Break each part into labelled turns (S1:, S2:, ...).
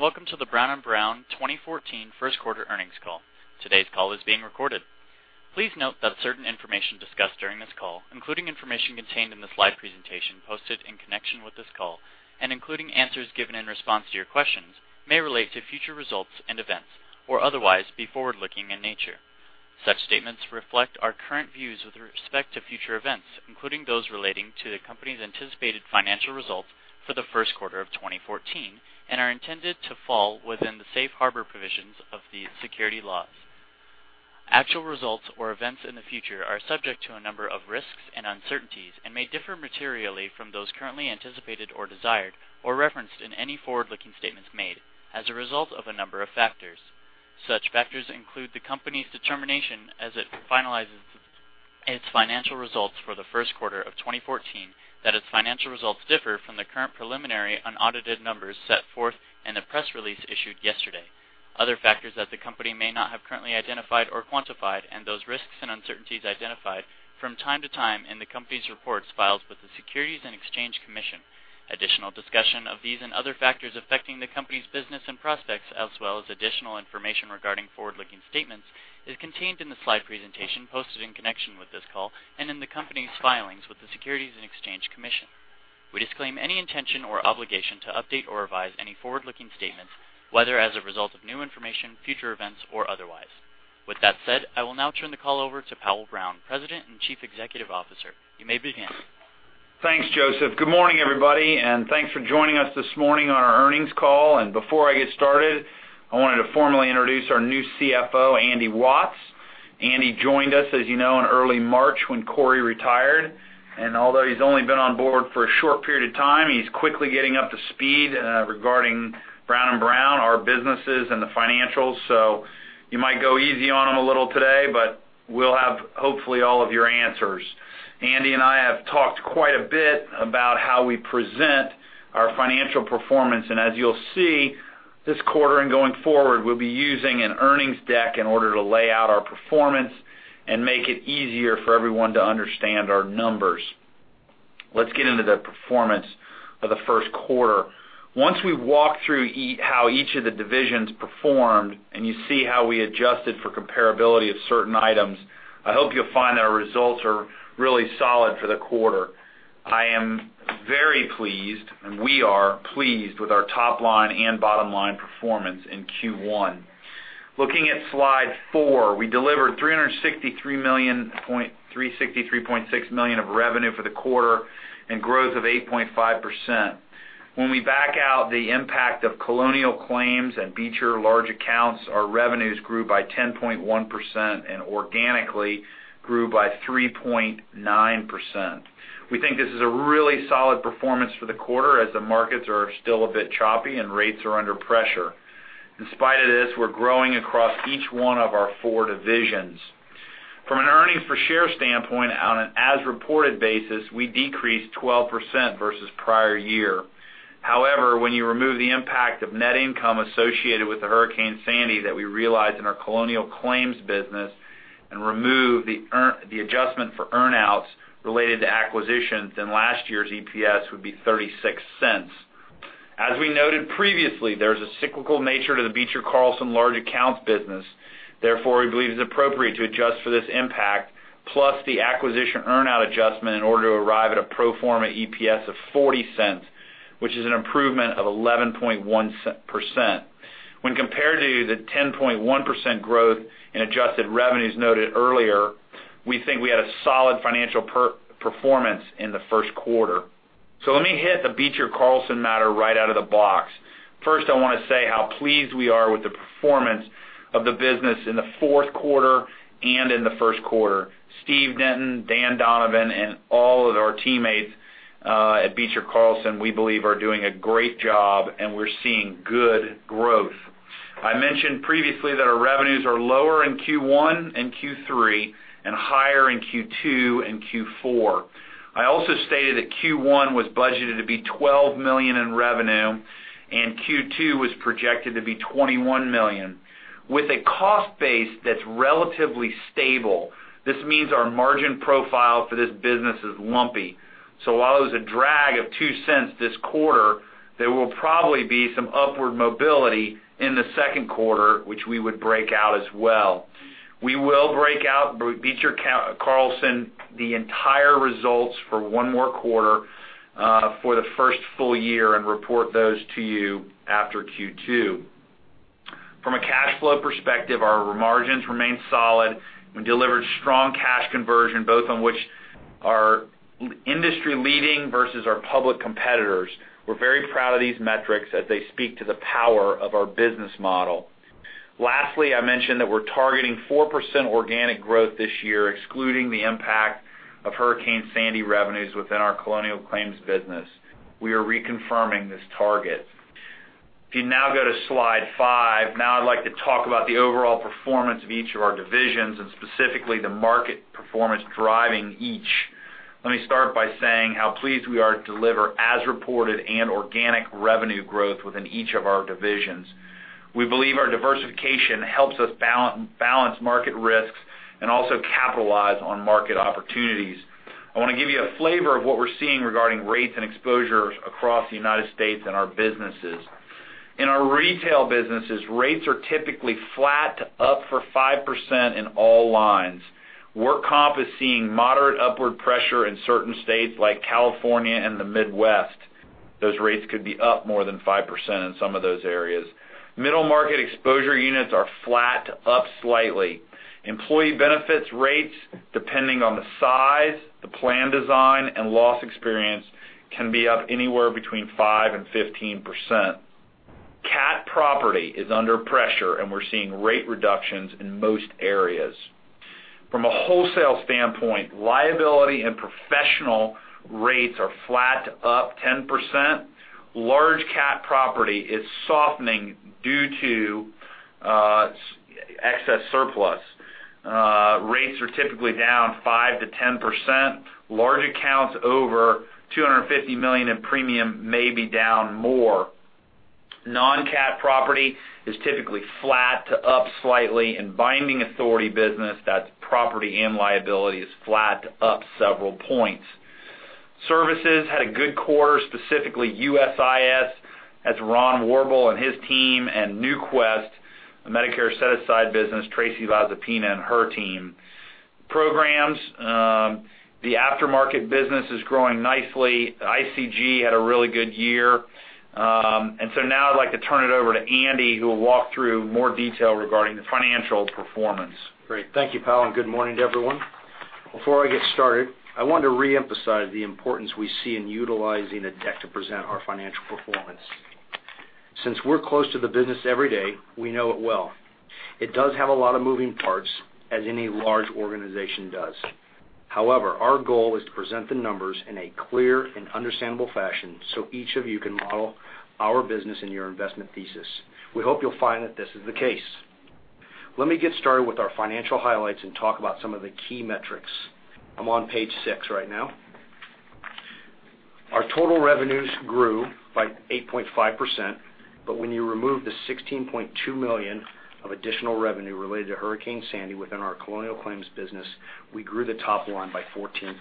S1: Good morning, and welcome to the Brown & Brown 2014 first quarter earnings call. Today's call is being recorded. Please note that certain information discussed during this call, including information contained in the slide presentation posted in connection with this call and including answers given in response to your questions, may relate to future results and events or otherwise be forward-looking in nature. Such statements reflect our current views with respect to future events, including those relating to the company's anticipated financial results for the first quarter of 2014, and are intended to fall within the safe harbor provisions of the securities laws. Actual results or events in the future are subject to a number of risks and uncertainties and may differ materially from those currently anticipated or desired, or referenced in any forward-looking statements made as a result of a number of factors. Such factors include the company's determination as it finalizes its financial results for the first quarter of 2014 that its financial results differ from the current preliminary unaudited numbers set forth in the press release issued yesterday. Those risks and uncertainties identified from time to time in the company's reports filed with the Securities and Exchange Commission. We disclaim any intention or obligation to update or revise any forward-looking statements, whether as a result of new information, future events, or otherwise. With that said, I will now turn the call over to Powell Brown, President and Chief Executive Officer. You may begin.
S2: Thanks, Joseph. Good morning, everybody, and thanks for joining us this morning on our earnings call. Before I get started, I wanted to formally introduce our new CFO, Andy Watts. Andy joined us, as you know, in early March when Cory retired. Although he's only been on board for a short period of time, he's quickly getting up to speed regarding Brown & Brown, our businesses, and the financials. You might go easy on him a little today, but we'll have, hopefully, all of your answers. Andy and I have talked quite a bit about how we present our financial performance. As you'll see this quarter and going forward, we'll be using an earnings deck in order to lay out our performance and make it easier for everyone to understand our numbers. Let's get into the performance of the first quarter. Once we walk through how each of the divisions performed, and you see how we adjusted for comparability of certain items, I hope you'll find that our results are really solid for the quarter. I am very pleased, and we are pleased with our top-line and bottom-line performance in Q1. Looking at slide four, we delivered $363.6 million of revenue for the quarter and growth of 8.5%. When we back out the impact of Colonial Claims and Beecher large accounts, our revenues grew by 10.1% and organically grew by 3.9%. We think this is a really solid performance for the quarter as the markets are still a bit choppy and rates are under pressure. In spite of this, we're growing across each one of our four divisions. From an earnings per share standpoint on an as-reported basis, we decreased 12% versus prior year. When you remove the impact of net income associated with the Hurricane Sandy that we realized in our Colonial Claims business and remove the adjustment for earn-outs related to acquisitions, last year's EPS would be $0.36. As we noted previously, there's a cyclical nature to the Beecher Carlson large accounts business. We believe it's appropriate to adjust for this impact, plus the acquisition earn-out adjustment in order to arrive at a pro forma EPS of $0.40, which is an improvement of 11.1%. When compared to the 10.1% growth in adjusted revenues noted earlier, we think we had a solid financial performance in the first quarter. Let me hit the Beecher Carlson matter right out of the box. I want to say how pleased we are with the performance of the business in the fourth quarter and in the first quarter. Steve Denton, Dan Donovan, and all of our teammates at Beecher Carlson, we believe, are doing a great job, and we're seeing good growth. I mentioned previously that our revenues are lower in Q1 and Q3 and higher in Q2 and Q4. I also stated that Q1 was budgeted to be $12 million in revenue, and Q2 was projected to be $21 million. With a cost base that's relatively stable, this means our margin profile for this business is lumpy. While it was a drag of $0.02 this quarter, there will probably be some upward mobility in the second quarter, which we would break out as well. We will break out Beecher Carlson, the entire results for one more quarter for the first full year and report those to you after Q2. From a cash flow perspective, our margins remain solid. We delivered strong cash conversion, both on which are industry leading versus our public competitors. We're very proud of these metrics as they speak to the power of our business model. I mentioned that we're targeting 4% organic growth this year, excluding the impact of Hurricane Sandy revenues within our Colonial Claims business. We are reconfirming this target. You now go to slide five, Now I'd like to talk about the overall performance of each of our divisions and specifically the market performance driving each. Let me start by saying how pleased we are to deliver as-reported and organic revenue growth within each of our divisions. We believe our diversification helps us balance market risks and also capitalize on market opportunities. I want to give you a flavor of what we're seeing regarding rates and exposures across the U.S. and our businesses. In our retail businesses, rates are typically flat to up for 5% in all lines. Work comp is seeing moderate upward pressure in certain states like California and the Midwest. Those rates could be up more than 5% in some of those areas. Middle market exposure units are flat to up slightly. Employee benefits rates, depending on the size, the plan design, and loss experience, can be up anywhere between 5% and 15%. CAT property is under pressure, and we're seeing rate reductions in most areas. From a wholesale standpoint, liability and professional rates are flat to up 10%. Large CAT property is softening due to excess surplus. Rates are typically down 5%-10%. Large accounts over $250 million in premium may be down more. Non-CAT property is typically flat to up slightly, and binding authority business, that's property and liability, is flat to up several points. Services had a good quarter, specifically USIS. That's Ron Warbel and his team, and NuQuest, the Medicare Set Aside business, Tracy Lazapina and her team. Programs, the aftermarket business is growing nicely. ICG had a really good year. Now I'd like to turn it over to Andy, who will walk through more detail regarding the financial performance.
S3: Great. Thank you, Powell, and good morning to everyone. Before I get started, I wanted to reemphasize the importance we see in utilizing a deck to present our financial performance. Since we're close to the business every day, we know it well. It does have a lot of moving parts as any large organization does. However, our goal is to present the numbers in a clear and understandable fashion so each of you can model our business in your investment thesis. We hope you'll find that this is the case. Let me get started with our financial highlights and talk about some of the key metrics. I'm on page six right now. Our total revenues grew by 8.5%, but when you remove the $16.2 million of additional revenue related to Hurricane Sandy within our Colonial Claims business, we grew the top line by 14%.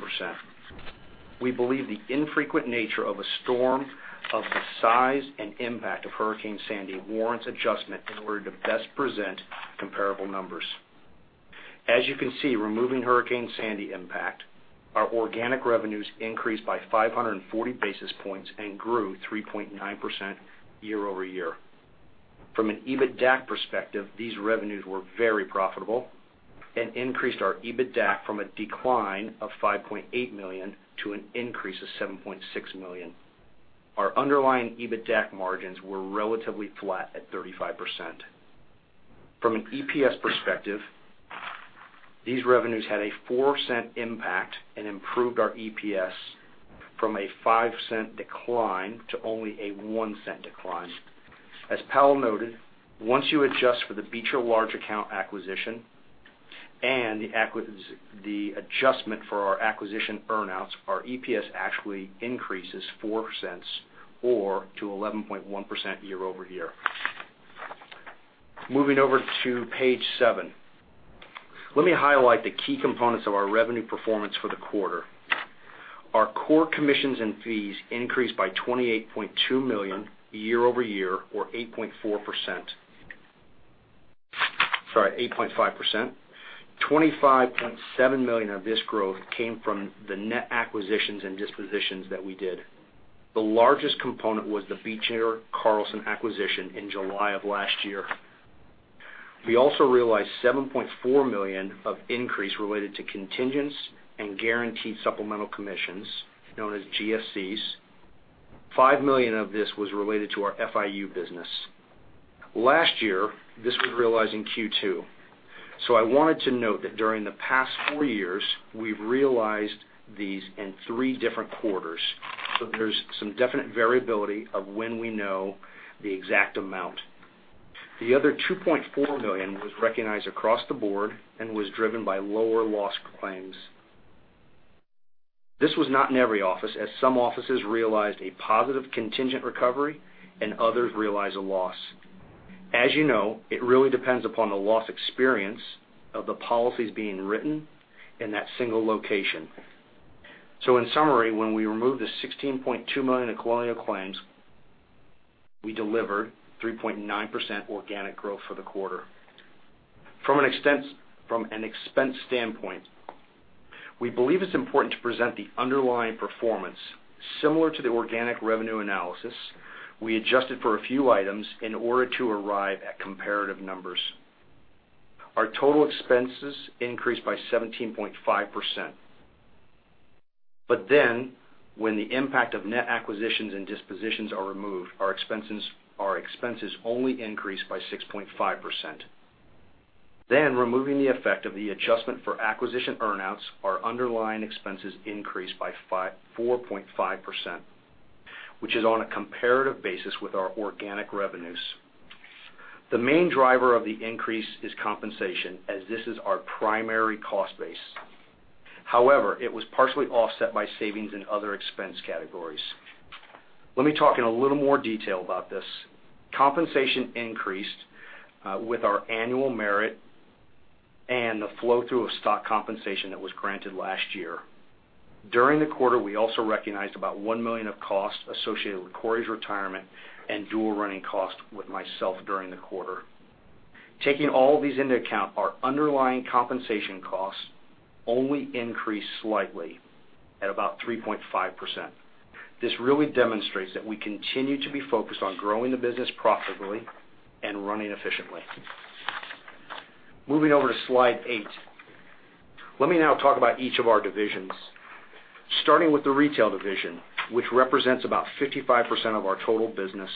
S3: We believe the infrequent nature of a storm of the size and impact of Hurricane Sandy warrants adjustment in order to best present comparable numbers. As you can see, removing Hurricane Sandy impact, our organic revenues increased by 540 basis points and grew 3.9% year-over-year. From an EBITDAC perspective, these revenues were very profitable and increased our EBITDAC from a decline of $5.8 million to an increase of $7.6 million. Our underlying EBITDAC margins were relatively flat at 35%. From an EPS perspective, these revenues had a $0.04 impact and improved our EPS from a $0.05 decline to only a $0.01 decline. As Powell noted, once you adjust for the Beecher large account acquisition and the adjustment for our acquisition earn-outs, our EPS actually increases $0.04 or to 11.1% year-over-year. Moving over to page seven, let me highlight the key components of our revenue performance for the quarter. Our core commissions and fees increased by $28.2 million year-over-year or 8.4%, sorry, 8.5%. $25.7 million of this growth came from the net acquisitions and dispositions that we did. The largest component was the Beecher Carlson acquisition in July of last year. We also realized $7.4 million of increase related to contingents and Guaranteed Supplemental Commissions, known as GSCs. $5 million of this was related to our FIU business. Last year, this was realized in Q2. I wanted to note that during the past four years, we've realized these in three different quarters, there's some definite variability of when we know the exact amount. The other $2.4 million was recognized across the board and was driven by lower loss claims. This was not in every office, as some offices realized a positive contingent recovery and others realized a loss. As you know, it really depends upon the loss experience of the policies being written in that single location. In summary, when we remove the $16.2 million in Colonial Claims, we delivered 3.9% organic growth for the quarter. From an expense standpoint, we believe it's important to present the underlying performance. Similar to the organic revenue analysis, we adjusted for a few items in order to arrive at comparative numbers. Our total expenses increased by 17.5%. When the impact of net acquisitions and dispositions are removed, our expenses only increase by 6.5%. Removing the effect of the adjustment for acquisition earn-outs, our underlying expenses increased by 4.5%, which is on a comparative basis with our organic revenues. The main driver of the increase is compensation, as this is our primary cost base. However, it was partially offset by savings in other expense categories. Let me talk in a little more detail about this. Compensation increased with our annual merit and the flow-through of stock compensation that was granted last year. During the quarter, we also recognized about $1 million of costs associated with Cory's retirement and dual-running cost with myself during the quarter. Taking all of these into account, our underlying compensation costs only increased slightly at about 3.5%. This really demonstrates that we continue to be focused on growing the business profitably and running efficiently. Moving over to slide eight. Let me now talk about each of our divisions. Starting with the retail division, which represents about 55% of our total business.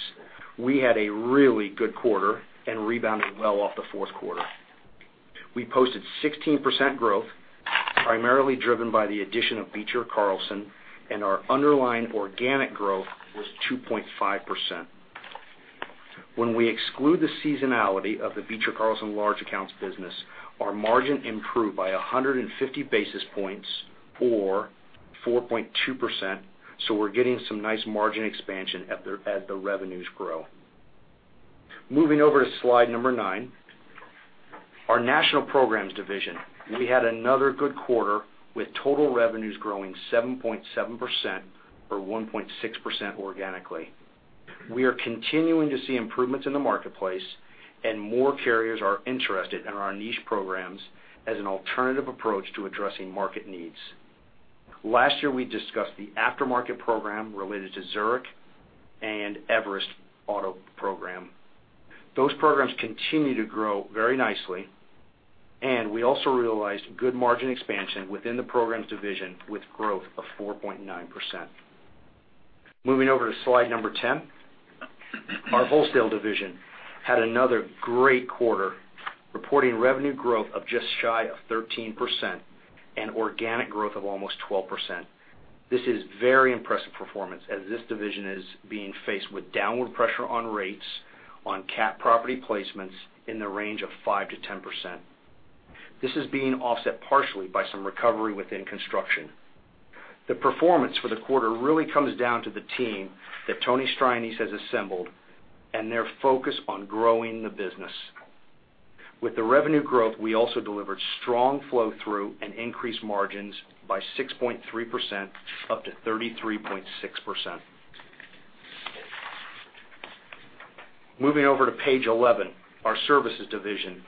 S3: We had a really good quarter and rebounded well off the fourth quarter. We posted 16% growth, primarily driven by the addition of Beecher Carlson, and our underlying organic growth was 2.5%. When we exclude the seasonality of the Beecher Carlson large accounts business, our margin improved by 150 basis points or 4.2%. We're getting some nice margin expansion as the revenues grow. Moving over to slide number nine, our National Programs division. We had another good quarter with total revenues growing 7.7% or 1.6% organically. We are continuing to see improvements in the marketplace, and more carriers are interested in our niche programs as an alternative approach to addressing market needs. Last year, we discussed the aftermarket program related to Zurich and Everest Auto program. Those programs continue to grow very nicely, and we also realized good margin expansion within the programs division with growth of 4.9%. Moving over to slide number 10. Our wholesale division had another great quarter, reporting revenue growth of just shy of 13% and organic growth of almost 12%. This is very impressive performance, as this division is being faced with downward pressure on rates on CAT property placements in the range of 5%-10%. This is being offset partially by some recovery within construction. The performance for the quarter really comes down to the team that Tony Strines has assembled and their focus on growing the business. With the revenue growth, we also delivered strong flow-through and increased margins by 6.3%, up to 33.6%. Moving over to page 11, our services division.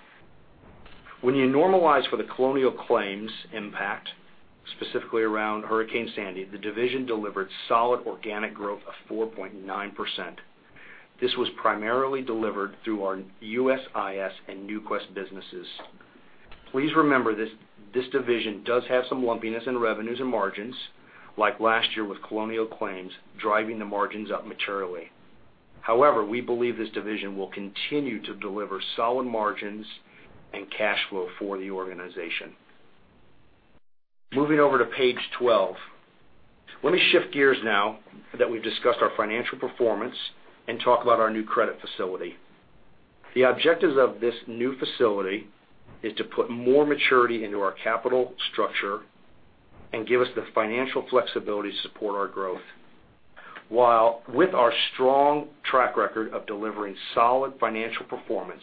S3: When you normalize for the Colonial Claims impact, specifically around Hurricane Sandy, the division delivered solid organic growth of 4.9%. This was primarily delivered through our USIS and NuQuest businesses. Please remember, this division does have some lumpiness in revenues and margins, like last year with Colonial Claims, driving the margins up materially. However, we believe this division will continue to deliver solid margins and cash flow for the organization. Moving over to page 12. Let me shift gears now that we've discussed our financial performance and talk about our new credit facility. The objectives of this new facility is to put more maturity into our capital structure and give us the financial flexibility to support our growth. While with our strong track record of delivering solid financial performance,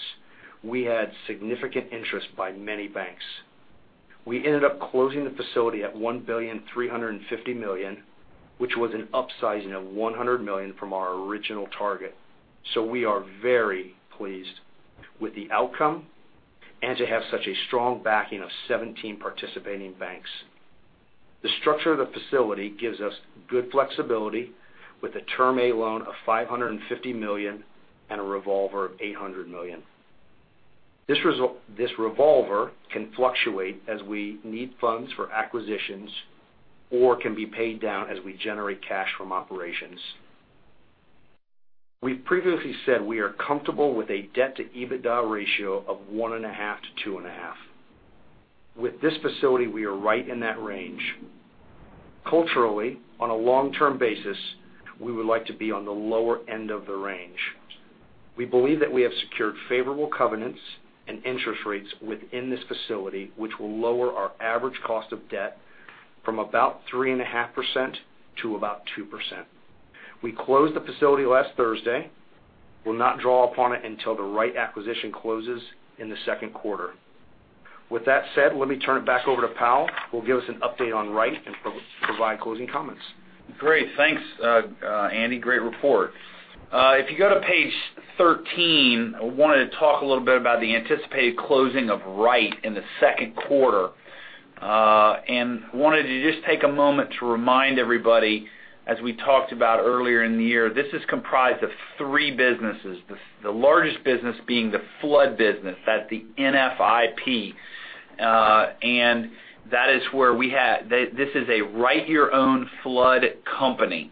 S3: we had significant interest by many banks. We ended up closing the facility at $1.350 billion, which was an upsizing of $100 million from our original target. We are very pleased with the outcome and to have such a strong backing of 17 participating banks. The structure of the facility gives us good flexibility with a term A loan of $550 million and a revolver of $800 million. This revolver can fluctuate as we need funds for acquisitions or can be paid down as we generate cash from operations. We've previously said we are comfortable with a debt to EBITDA ratio of one and a half to two and a half. With this facility, we are right in that range. Culturally, on a long-term basis, we would like to be on the lower end of the range. We believe that we have secured favorable covenants and interest rates within this facility, which will lower our average cost of debt from about 3.5%-2%. We closed the facility last Thursday. We will not draw upon it until the Wright acquisition closes in the second quarter. With that said, let me turn it back over to Powell, who will give us an update on Wright and provide closing comments.
S2: Great. Thanks, Andy. Great report. If you go to page 13, I wanted to talk a little bit about the anticipated closing of Wright in the second quarter. Wanted to just take a moment to remind everybody, as we talked about earlier in the year, this is comprised of three businesses, the largest business being the flood business. That's the NFIP. This is a Write Your Own flood company.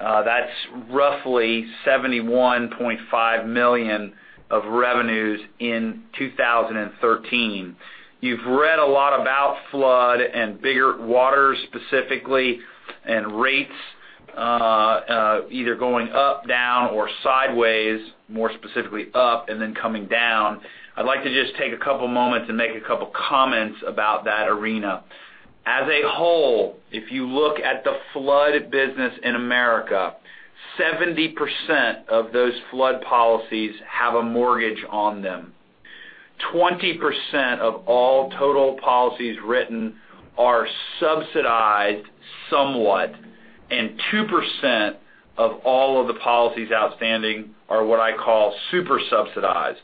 S2: That's roughly $71.5 million of revenues in 2013. You've read a lot about flood and Biggert-Waters, specifically, and rates either going up, down, or sideways, more specifically up and then coming down. I'd like to just take a couple moments and make a couple comments about that arena. As a whole, if you look at the flood business in America, 70% of those flood policies have a mortgage on them. 20% of all total policies written are subsidized somewhat, and 2% of all of the policies outstanding are what I call super subsidized.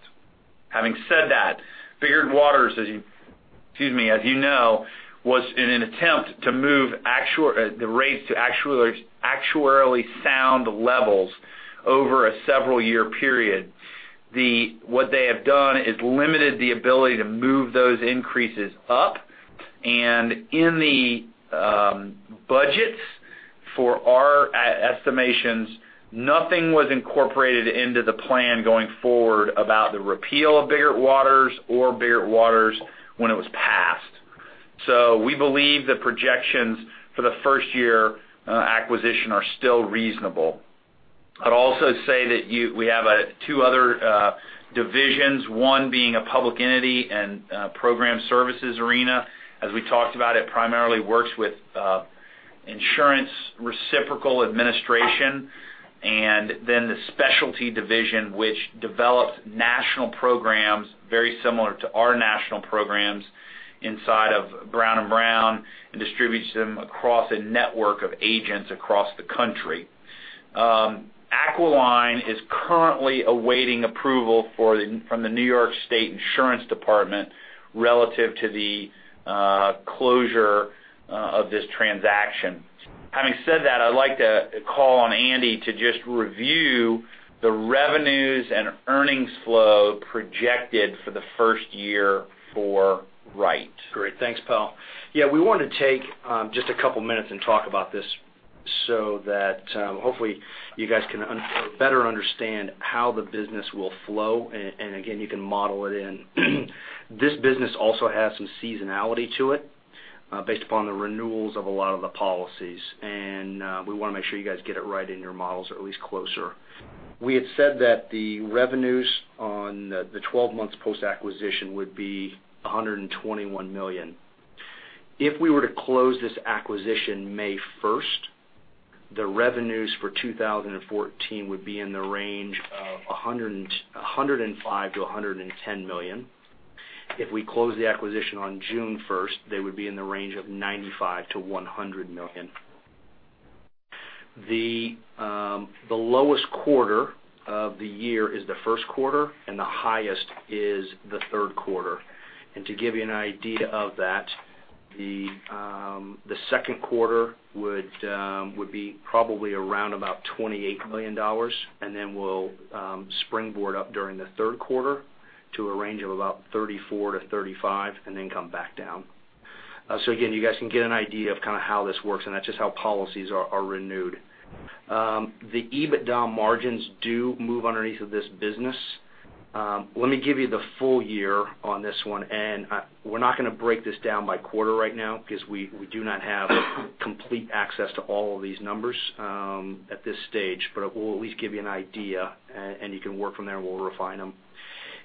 S2: Having said that, Biggert-Waters, as you know, was in an attempt to move the rates to actuarially sound levels over a several-year period. What they have done is limited the ability to move those increases up. In the budgets for our estimations, nothing was incorporated into the plan going forward about the repeal of Biggert-Waters or Biggert-Waters when it was passed. We believe the projections for the first-year acquisition are still reasonable. I'd also say that we have two other divisions, one being a public entity and program services arena. As we talked about, it primarily works with insurance reciprocal administration, and then the specialty division, which develops national programs very similar to our national programs inside of Brown & Brown, and distributes them across a network of agents across the country. Aquiline is currently awaiting approval from the New York State Department of Financial Services relative to the closure of this transaction. Having said that, I'd like to call on Andy to just review the revenues and earnings flow projected for the first year for Wright.
S3: Great. Thanks, Powell. We wanted to take just a couple minutes and talk about this so that hopefully you guys can better understand how the business will flow, and again, you can model it in. This business also has some seasonality to it based upon the renewals of a lot of the policies, and we want to make sure you guys get it right in your models, or at least closer. We had said that the revenues on the 12 months post-acquisition would be $121 million. If we were to close this acquisition May 1st, the revenues for 2014 would be in the range of $105 million-$110 million. If we close the acquisition on June 1st, they would be in the range of $95 million-$100 million. The lowest quarter of the year is the first quarter, and the highest is the third quarter. To give you an idea of that, the second quarter would be probably around about $28 million. Then we'll springboard up during the third quarter to a range of about $34 million-$35 million, then come back down. Again, you guys can get an idea of how this works, and that's just how policies are renewed. The EBITDA margins do move underneath of this business. Let me give you the full year on this one. We're not going to break this down by quarter right now because we do not have complete access to all of these numbers at this stage, but we'll at least give you an idea, and you can work from there, and we'll refine them.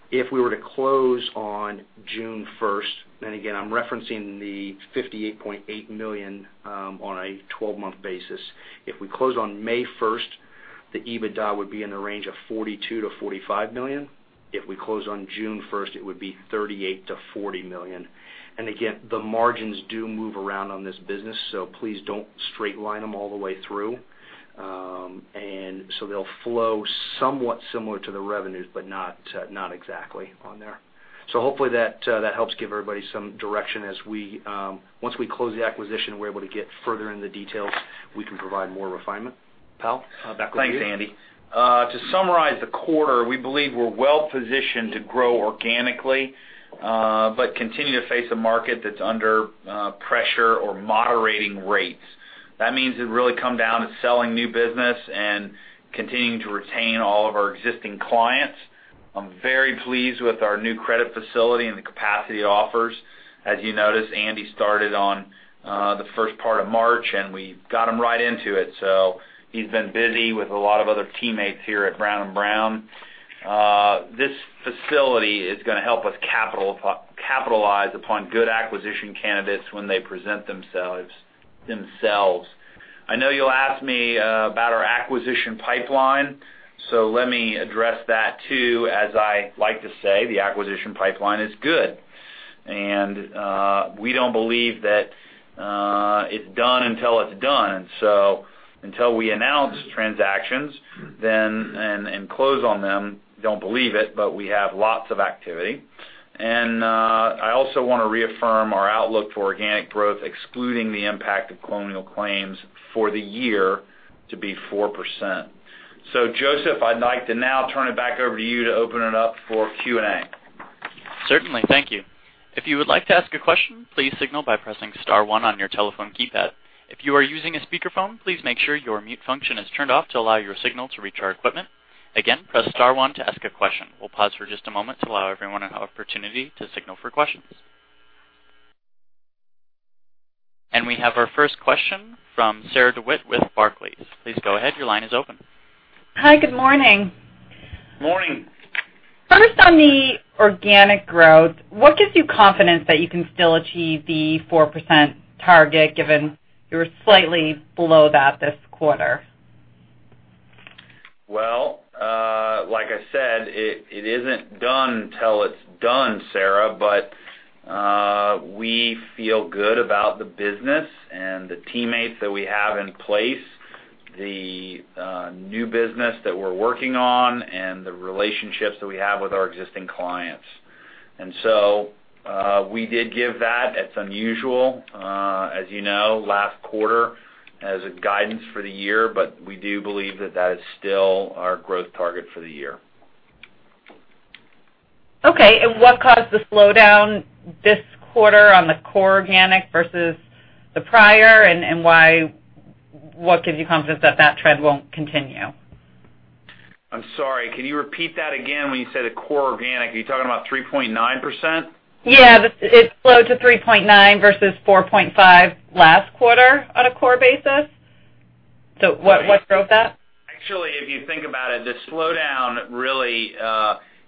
S3: If we were to close on June 1st, again, I'm referencing the $58.8 million on a 12-month basis. If we close on May 1st, the EBITDA would be in the range of $42 million-$45 million. If we close on June 1st, it would be $38 million-$40 million. Again, the margins do move around on this business, so please don't straight line them all the way through. They'll flow somewhat similar to the revenues, but not exactly on there. Hopefully that helps give everybody some direction as once we close the acquisition, we're able to get further into details, we can provide more refinement. Powell, back over to you.
S2: Thanks, Andy. To summarize the quarter, we believe we're well positioned to grow organically, but continue to face a market that's under pressure or moderating rates. That means it really come down to selling new business and continuing to retain all of our existing clients. I'm very pleased with our new credit facility and the capacity it offers. As you noticed, Andy started on the first part of March, we got him right into it. He's been busy with a lot of other teammates here at Brown & Brown. This facility is going to help us capitalize upon good acquisition candidates when they present themselves. I know you'll ask me about our acquisition pipeline, so let me address that too. As I like to say, the acquisition pipeline is good. We don't believe that it's done until it's done. Until we announce transactions and close on them, don't believe it, but we have lots of activity. I also want to reaffirm our outlook for organic growth, excluding the impact of Colonial Claims for the year to be 4%. Joseph, I'd like to now turn it back over to you to open it up for Q&A.
S1: Certainly. Thank you. If you would like to ask a question, please signal by pressing star one on your telephone keypad. If you are using a speakerphone, please make sure your mute function is turned off to allow your signal to reach our equipment. Again, press star one to ask a question. We will pause for just a moment to allow everyone an opportunity to signal for questions. We have our first question from Sarah DeWitt with Barclays. Please go ahead. Your line is open.
S4: Hi, good morning.
S2: Morning.
S4: First, on the organic growth, what gives you confidence that you can still achieve the 4% target given you were slightly below that this quarter?
S2: Well, like I said, it isn't done till it's done, Sarah. We feel good about the business and the teammates that we have in place, the new business that we are working on, and the relationships that we have with our existing clients. So we did give that, it's unusual, as you know, last quarter as a guidance for the year, but we do believe that that is still our growth target for the year.
S4: Okay, what caused the slowdown this quarter on the core organic versus the prior, and what gives you confidence that trend won't continue?
S2: I'm sorry, can you repeat that again? When you say the core organic, are you talking about 3.9%?
S4: Yeah. It slowed to 3.9% versus 4.5% last quarter on a core basis. What drove that?
S2: Actually, if you think about it, the slowdown really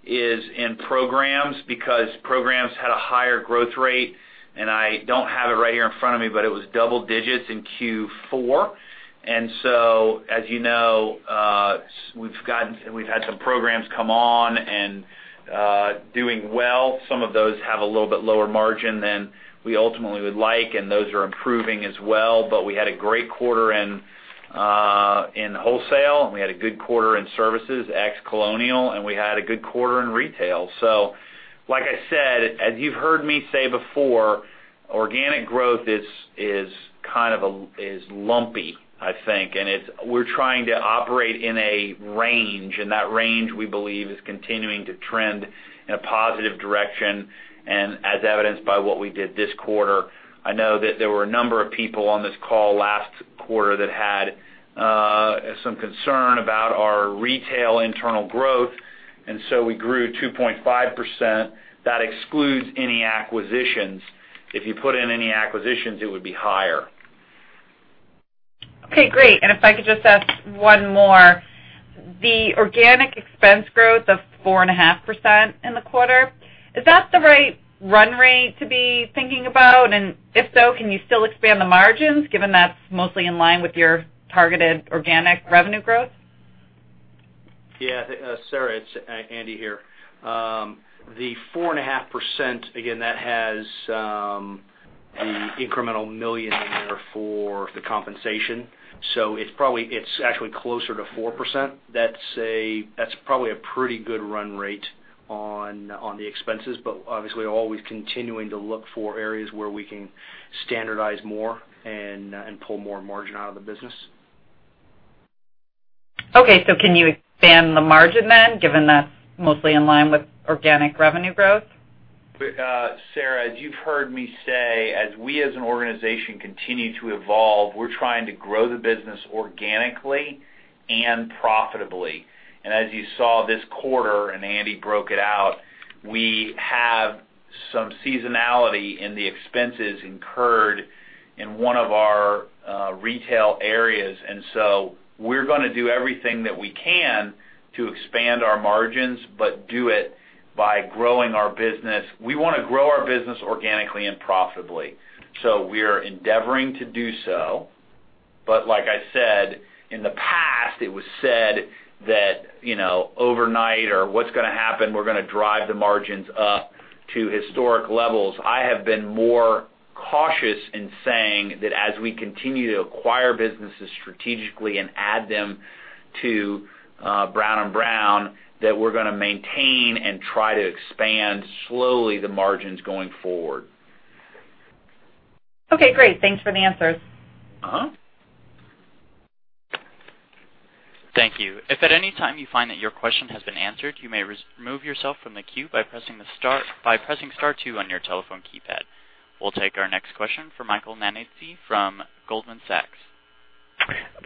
S2: is in programs because programs had a higher growth rate, I don't have it right here in front of me, but it was double digits in Q4. As you know, we've had some programs come on and doing well. Some of those have a little bit lower margin than we ultimately would like, and those are improving as well. We had a great quarter in wholesale, and we had a good quarter in services, ex Colonial, and we had a good quarter in retail. Like I said, as you've heard me say before, organic growth is lumpy, I think. We're trying to operate in a range, and that range, we believe, is continuing to trend in a positive direction, and as evidenced by what we did this quarter. I know that there were a number of people on this call last quarter that had some concern about our retail internal growth. We grew 2.5%. That excludes any acquisitions. If you put in any acquisitions, it would be higher.
S4: Okay, great. If I could just ask one more. The organic expense growth of 4.5% in the quarter, is that the right run rate to be thinking about? If so, can you still expand the margins given that's mostly in line with your targeted organic revenue growth?
S3: Yeah. Sarah, it's Andy here. The 4.5%, again, that has the incremental $1 million in there for the compensation. It's actually closer to 4%. That's probably a pretty good run rate on the expenses. Obviously, always continuing to look for areas where we can standardize more and pull more margin out of the business.
S4: Okay, can you expand the margin, given that's mostly in line with organic revenue growth?
S3: Sarah, as you've heard me say, as we as an organization continue to evolve, we're trying to grow the business organically and profitably. As you saw this quarter, Andy broke it out, we have some seasonality in the expenses incurred in one of our retail areas. We're going to do everything that we can to expand our margins, but do it by growing our business. We want to grow our business organically and profitably. We are endeavoring to do so. Like I said, in the past, it was said that overnight or what's going to happen, we're going to drive the margins up to historic levels. I have been more cautious in saying that as we continue to acquire businesses strategically and add them to Brown & Brown, that we're going to maintain and try to expand slowly the margins going forward.
S4: Okay, great. Thanks for the answers.
S1: Thank you. If at any time you find that your question has been answered, you may remove yourself from the queue by pressing star two on your telephone keypad. We'll take our next question from Michael Nannizzi from Goldman Sachs.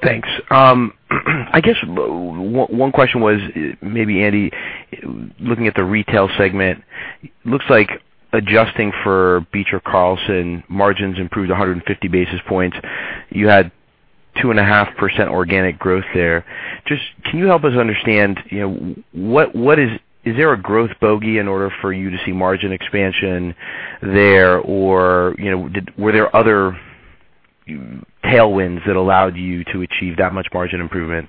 S5: Thanks. I guess one question was, maybe Andy, looking at the retail segment, looks like adjusting for Beecher Carlson margins improved 150 basis points. You had 2.5% organic growth there. Can you help us understand, is there a growth bogey in order for you to see margin expansion there? Or were there other tailwinds that allowed you to achieve that much margin improvement,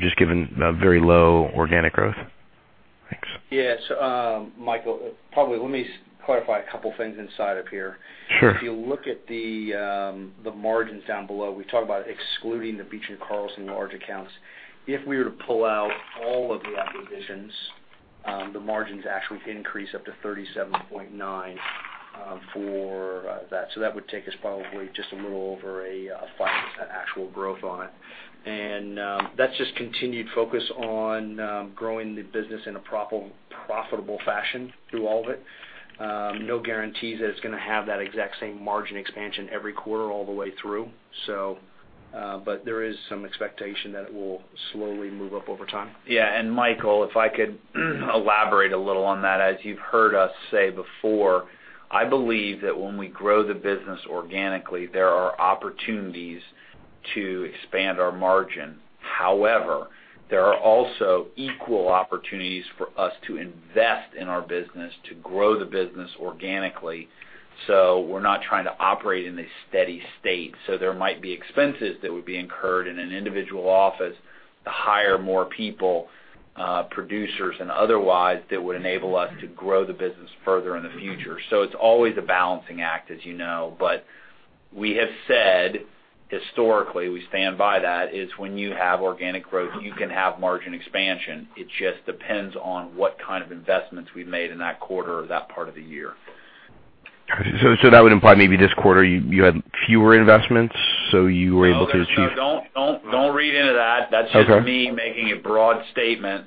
S5: just given a very low organic growth? Thanks.
S3: Yes, Michael. Probably let me clarify a couple things inside of here.
S5: Sure.
S3: If you look at the margins down below, we talk about excluding the Beecher Carlson large accounts. If we were to pull out all of the acquisitions, the margins actually increase up to 37.9% for that. That would take us probably just a little over a 5% actual growth on it. That's just continued focus on growing the business in a profitable fashion through all of it. No guarantees that it's going to have that exact same margin expansion every quarter all the way through. There is some expectation that it will slowly move up over time.
S2: Yeah. Michael, if I could elaborate a little on that. As you've heard us say before, I believe that when we grow the business organically, there are opportunities to expand our margin. However, there are also equal opportunities for us to invest in our business, to grow the business organically. We're not trying to operate in a steady state. There might be expenses that would be incurred in an individual office to hire more people, producers, and otherwise, that would enable us to grow the business further in the future. It's always a balancing act, as you know. We have said historically, we stand by that, is when you have organic growth, you can have margin expansion. It just depends on what kind of investments we've made in that quarter or that part of the year.
S5: That would imply maybe this quarter you had fewer investments, you were able to achieve.
S2: No, don't read into that.
S5: Okay.
S2: That's just me making a broad statement.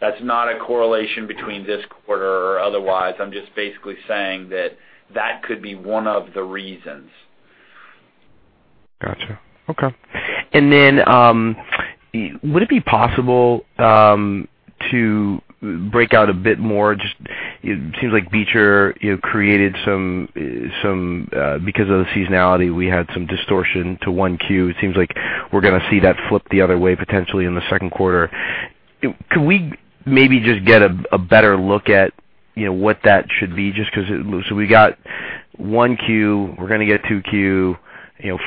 S2: That's not a correlation between this quarter or otherwise. I'm just basically saying that that could be one of the reasons.
S5: Got you. Okay. Would it be possible to break out a bit more, just it seems like Beecher, because of the seasonality, we had some distortion to 1Q. It seems like we're going to see that flip the other way potentially in the 2Q. Could we maybe just get a better look at what that should be, just because it We got 1Q, we're going to get 2Q.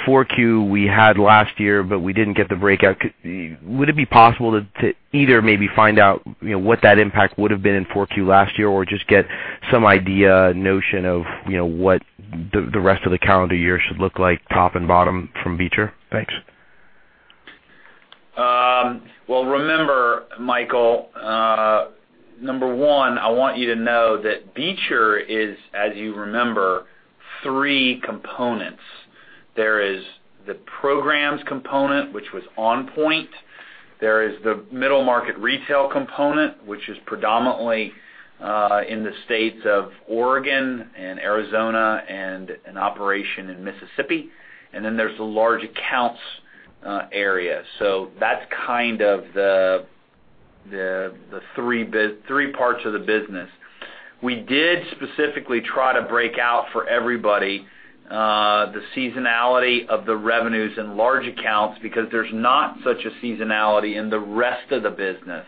S5: 4Q we had last year, but we didn't get the breakout. Would it be possible to either maybe find out what that impact would've been in 4Q last year, or just get some idea, notion of what the rest of the calendar year should look like, top and bottom from Beecher? Thanks.
S2: Remember, Michael, number one, I want you to know that Beecher is, as you remember, three components. There is the programs component, which was OnPoint. There is the middle market retail component, which is predominantly in the states of Oregon and Arizona, and an operation in Mississippi. There's the large accounts area. That's kind of the three parts of the business. We did specifically try to break out for everybody, the seasonality of the revenues in large accounts, because there's not such a seasonality in the rest of the business.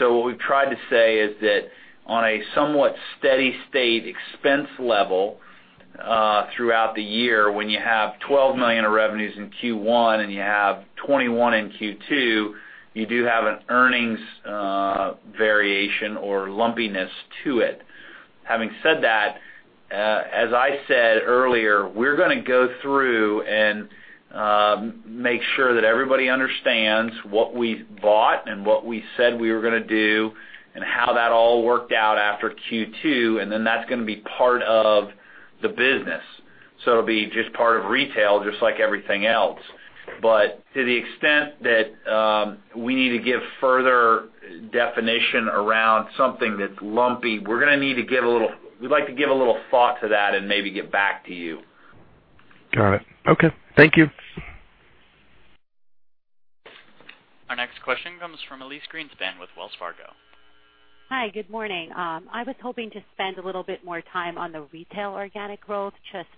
S2: What we've tried to say is that on a somewhat steady state expense level, throughout the year, when you have $12 million of revenues in Q1 and you have $21 million in Q2, you do have an an earnings variation or lumpiness to it. Having said that, as I said earlier, we're going to go through and make sure that everybody understands what we've bought and what we said we were going to do, and how that all worked out after Q2, and then that's going to be part of the business. It'll be just part of retail, just like everything else. To the extent that we need to give further definition around something that's lumpy, we'd like to give a little thought to that and maybe get back to you.
S5: Got it. Okay. Thank you.
S1: Our next question comes from Elyse Greenspan with Wells Fargo.
S6: Hi. Good morning. I was hoping to spend a little bit more time on the retail organic growth.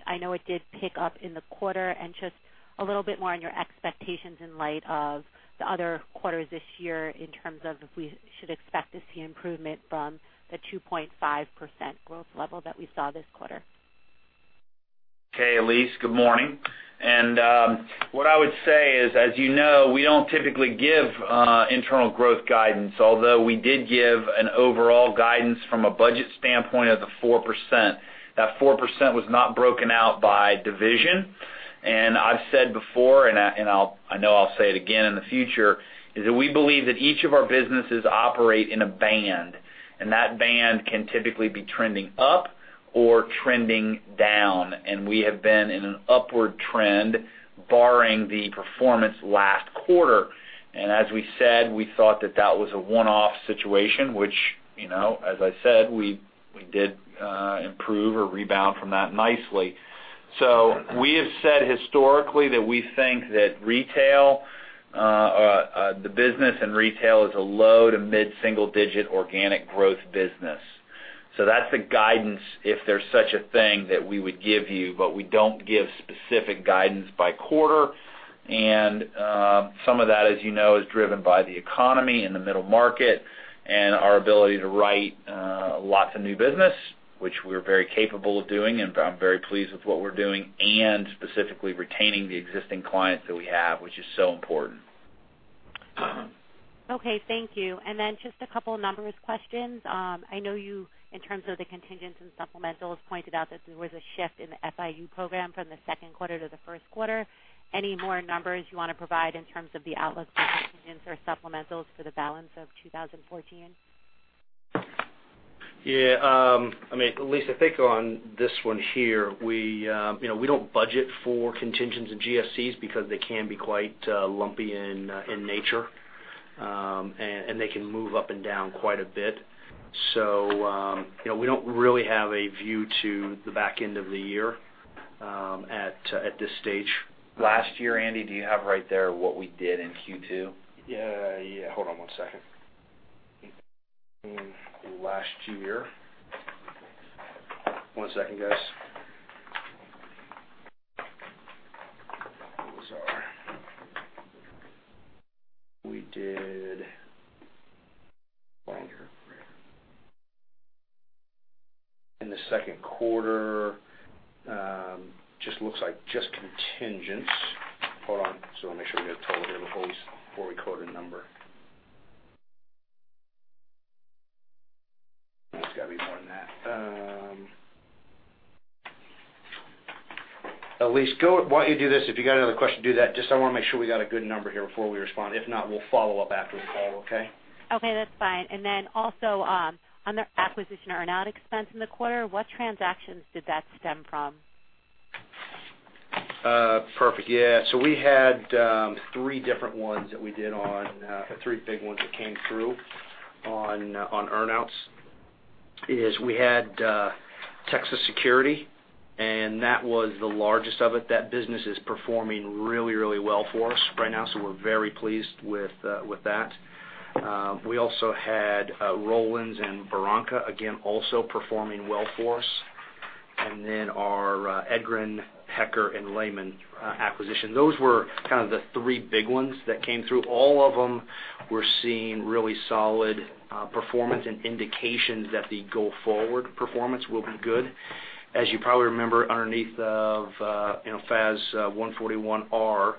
S6: I know it did pick up in the quarter, and just a little bit more on your expectations in light of the other quarters this year, in terms of if we should expect to see improvement from the 2.5% growth level that we saw this quarter.
S2: Elyse, good morning. What I would say is, as you know, we don't typically give internal growth guidance, although we did give an overall guidance from a budget standpoint of the 4%. That 4% was not broken out by division. I've said before, and I know I'll say it again in the future, is that we believe that each of our businesses operate in a band, and that band can typically be trending up or trending down, and we have been in an upward trend barring the performance last quarter. As we said, we thought that that was a one-off situation, which as I said, we did improve or rebound from that nicely. We have said historically that we think that the business and retail is a low- to mid-single digit organic growth business. That's the guidance, if there's such a thing, that we would give you, but we don't give specific guidance by quarter. Some of that, as you know, is driven by the economy and the middle market and our ability to write lots of new business, which we're very capable of doing, and I'm very pleased with what we're doing. Specifically retaining the existing clients that we have, which is so important.
S6: Okay. Thank you. Just a couple of numbers questions. I know you, in terms of the contingents and supplementals, pointed out that there was a shift in the FIU program from the second quarter to the first quarter. Any more numbers you want to provide in terms of the outlook for contingents or supplementals for the balance of 2014?
S3: Yeah. Elyse, I think on this one here, we don't budget for contingents and GSCs because they can be quite lumpy in nature, and they can move up and down quite a bit. We don't really have a view to the back end of the year at this stage.
S2: Last year, Andy, do you have right there what we did in Q2?
S3: Yeah. Hold on one second. Last year One second, guys. Those are We did binder. In the second quarter, just looks like just contingents. Hold on. Let me make sure we get a total here before we quote a number. No, it's got to be more than that. Elyse, why don't you do this, if you got another question, do that. I want to make sure we got a good number here before we respond. If not, we'll follow up after the call, okay?
S6: Okay, that's fine. Also, on the acquisition earn-out expense in the quarter, what transactions did that stem from?
S2: Perfect. Yeah. We had three different ones that we did three big ones that came through on earn-outs, is we had Texas Security, that was the largest of it. That business is performing really well for us right now, we're very pleased with that. We also had Rowlands and Veranka, again, also performing well for us. Our Edgren Hecker & Lemmon acquisition. Those were kind of the three big ones that came through. All of them we're seeing really solid performance and indications that the go forward performance will be good. As you probably remember, underneath of FAS 141R,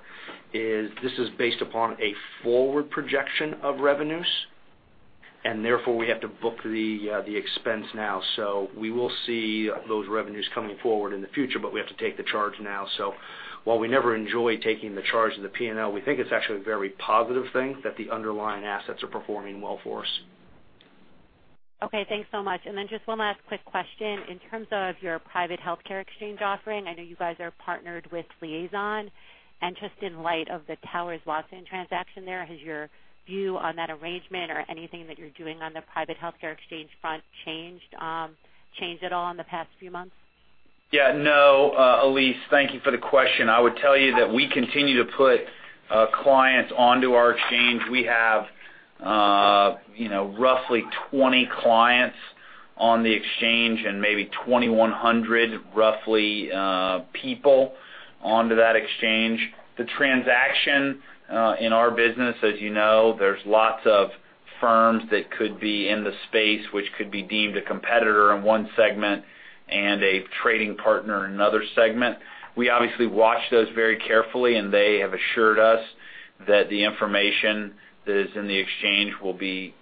S2: this is based upon a forward projection of revenues, therefore we have to book the expense now. We will see those revenues coming forward in the future, we have to take the charge now. while we never enjoy taking the charge of the P&L, we think it's actually a very positive thing that the underlying assets are performing well for us.
S6: Thanks so much. Just one last quick question. In terms of your private healthcare exchange offering, I know you guys are partnered with Liazon. Just in light of the Towers Watson transaction there, has your view on that arrangement or anything that you're doing on the private healthcare exchange front changed at all in the past few months?
S2: Elyse, thank you for the question. I would tell you that we continue to put clients onto our exchange. We have roughly 20 clients on the exchange and maybe 2,100, roughly, people onto that exchange. The transaction in our business, as you know, there's lots of firms that could be in the space, which could be deemed a competitor in one segment and a trading partner in another segment. We obviously watch those very carefully, and they have assured us that the information that is in the exchange will be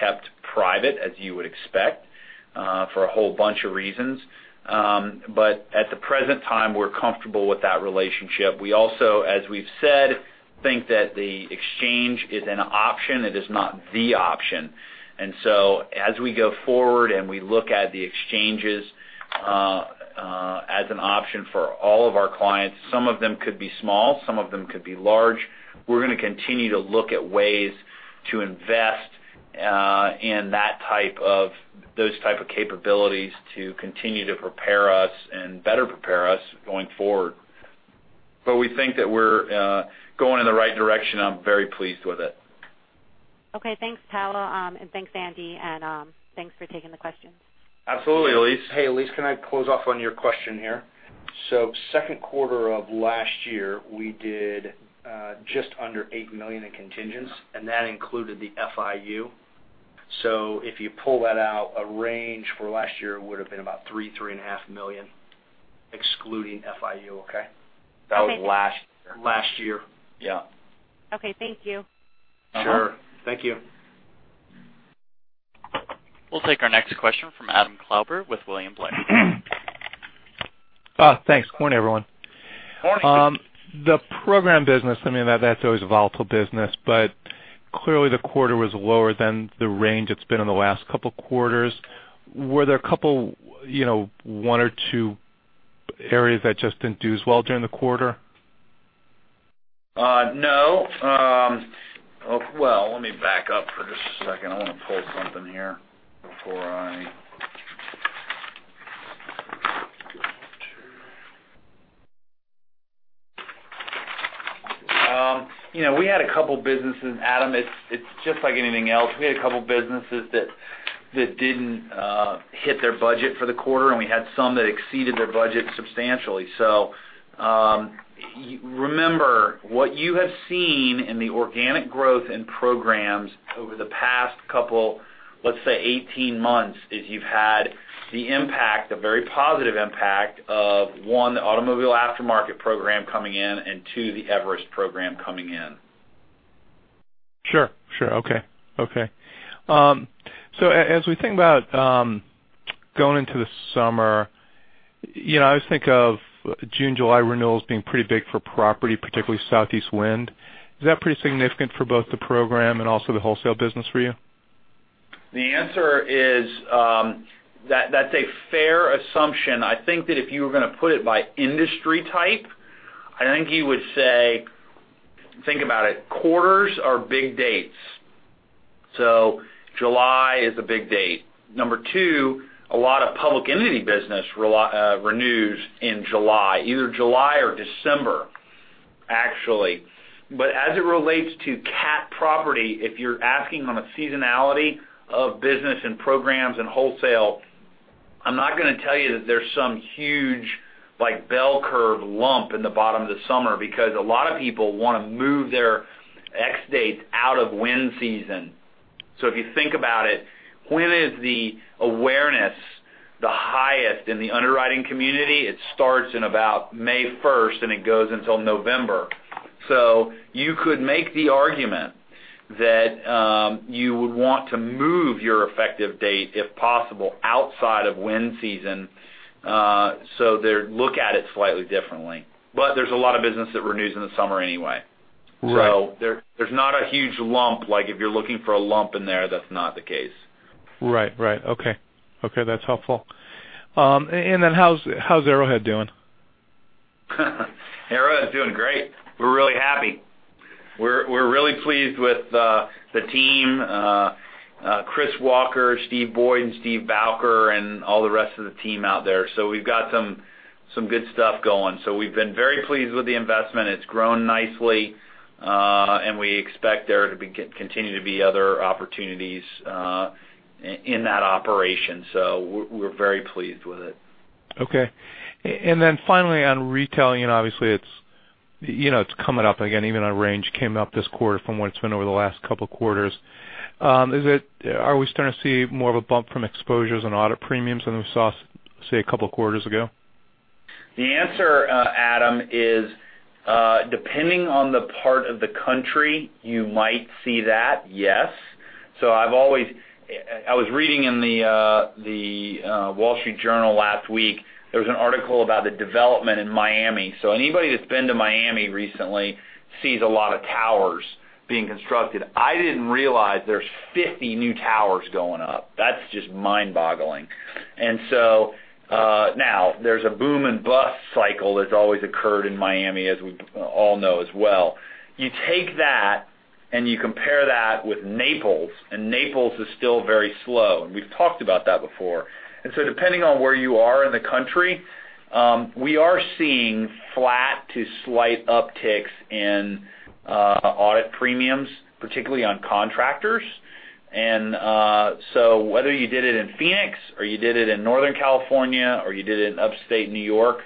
S2: kept private, as you would expect, for a whole bunch of reasons. At the present time, we're comfortable with that relationship. We also, as we've said, think that the exchange is an option. It is not the option. As we go forward and we look at the exchanges as an option for all of our clients, some of them could be small, some of them could be large. We're going to continue to look at ways to invest in those type of capabilities to continue to prepare us and better prepare us going forward. We think that we're going in the right direction. I'm very pleased with it.
S6: Okay. Thanks, Powell. Thanks, Andy. Thanks for taking the questions.
S2: Absolutely, Elyse.
S3: Hey, Elyse, can I close off on your question here? Second quarter of last year, we did just under $8 million in contingents. That included the FIU. If you pull that out, a range for last year would've been about $3 million-$3.5 million, excluding FIU, okay?
S6: Okay.
S2: That was last year.
S3: Last year.
S2: Yeah.
S6: Okay. Thank you.
S3: Sure. Thank you.
S1: We'll take our next question from Adam Klauber with William Blair.
S7: Thanks. Morning, everyone.
S2: Morning.
S7: The program business, that's always a volatile business, but clearly the quarter was lower than the range it's been in the last couple of quarters. Were there one or two areas that just didn't do as well during the quarter?
S2: No. Well, let me back up for just a second. I want to pull something here before We had a couple of businesses, Adam. It's just like anything else. We had a couple of businesses that didn't hit their budget for the quarter, and we had some that exceeded their budget substantially. Remember, what you have seen in the organic growth and programs over the past couple, let's say 18 months, is you've had the impact, a very positive impact of, one, the automobile aftermarket program coming in, and two, the Everest program coming in.
S7: Sure. Okay. As we think about going into the summer, I always think of June, July renewals being pretty big for property, particularly southeast wind. Is that pretty significant for both the program and also the wholesale business for you?
S2: The answer is, that's a fair assumption. I think that if you were going to put it by industry type, I think you would say, think about it, quarters are big dates. July is a big date. Number 2, a lot of public entity business renews in July, either July or December. Actually. As it relates to CAT property, if you're asking on a seasonality of business and programs and wholesale, I'm not going to tell you that there's some huge bell curve lump in the bottom of the summer because a lot of people want to move their X dates out of wind season. If you think about it, when is the awareness the highest in the underwriting community? It starts in about May 1st, and it goes until November. You could make the argument that you would want to move your effective date, if possible, outside of wind season, so they look at it slightly differently. There's a lot of business that renews in the summer anyway.
S7: Right.
S2: There's not a huge lump. If you're looking for a lump in there, that's not the case.
S7: Right. Okay. That's helpful. Then how's Arrowhead doing?
S2: Arrowhead's doing great. We're really happy. We're really pleased with the team, Chris Walker, Steve Boyd, and Steve Bowker, and all the rest of the team out there. We've got some good stuff going. We've been very pleased with the investment. It's grown nicely, and we expect there to continue to be other opportunities in that operation. We're very pleased with it.
S7: Okay. Finally on retailing, obviously it's coming up again, even our range came up this quarter from what it's been over the last couple of quarters. Are we starting to see more of a bump from exposures on audit premiums than we saw, say, a couple of quarters ago?
S2: The answer, Adam, is depending on the part of the country, you might see that, yes. I was reading in "The Wall Street Journal" last week, there was an article about the development in Miami. Anybody that's been to Miami recently sees a lot of towers being constructed. I didn't realize there's 50 new towers going up. That's just mind-boggling. There's a boom and bust cycle that's always occurred in Miami, as we all know as well. You take that and you compare that with Naples is still very slow, and we've talked about that before. Depending on where you are in the country, we are seeing flat to slight upticks in audit premiums, particularly on contractors. Whether you did it in Phoenix or you did it in Northern California, or you did it in Upstate New York,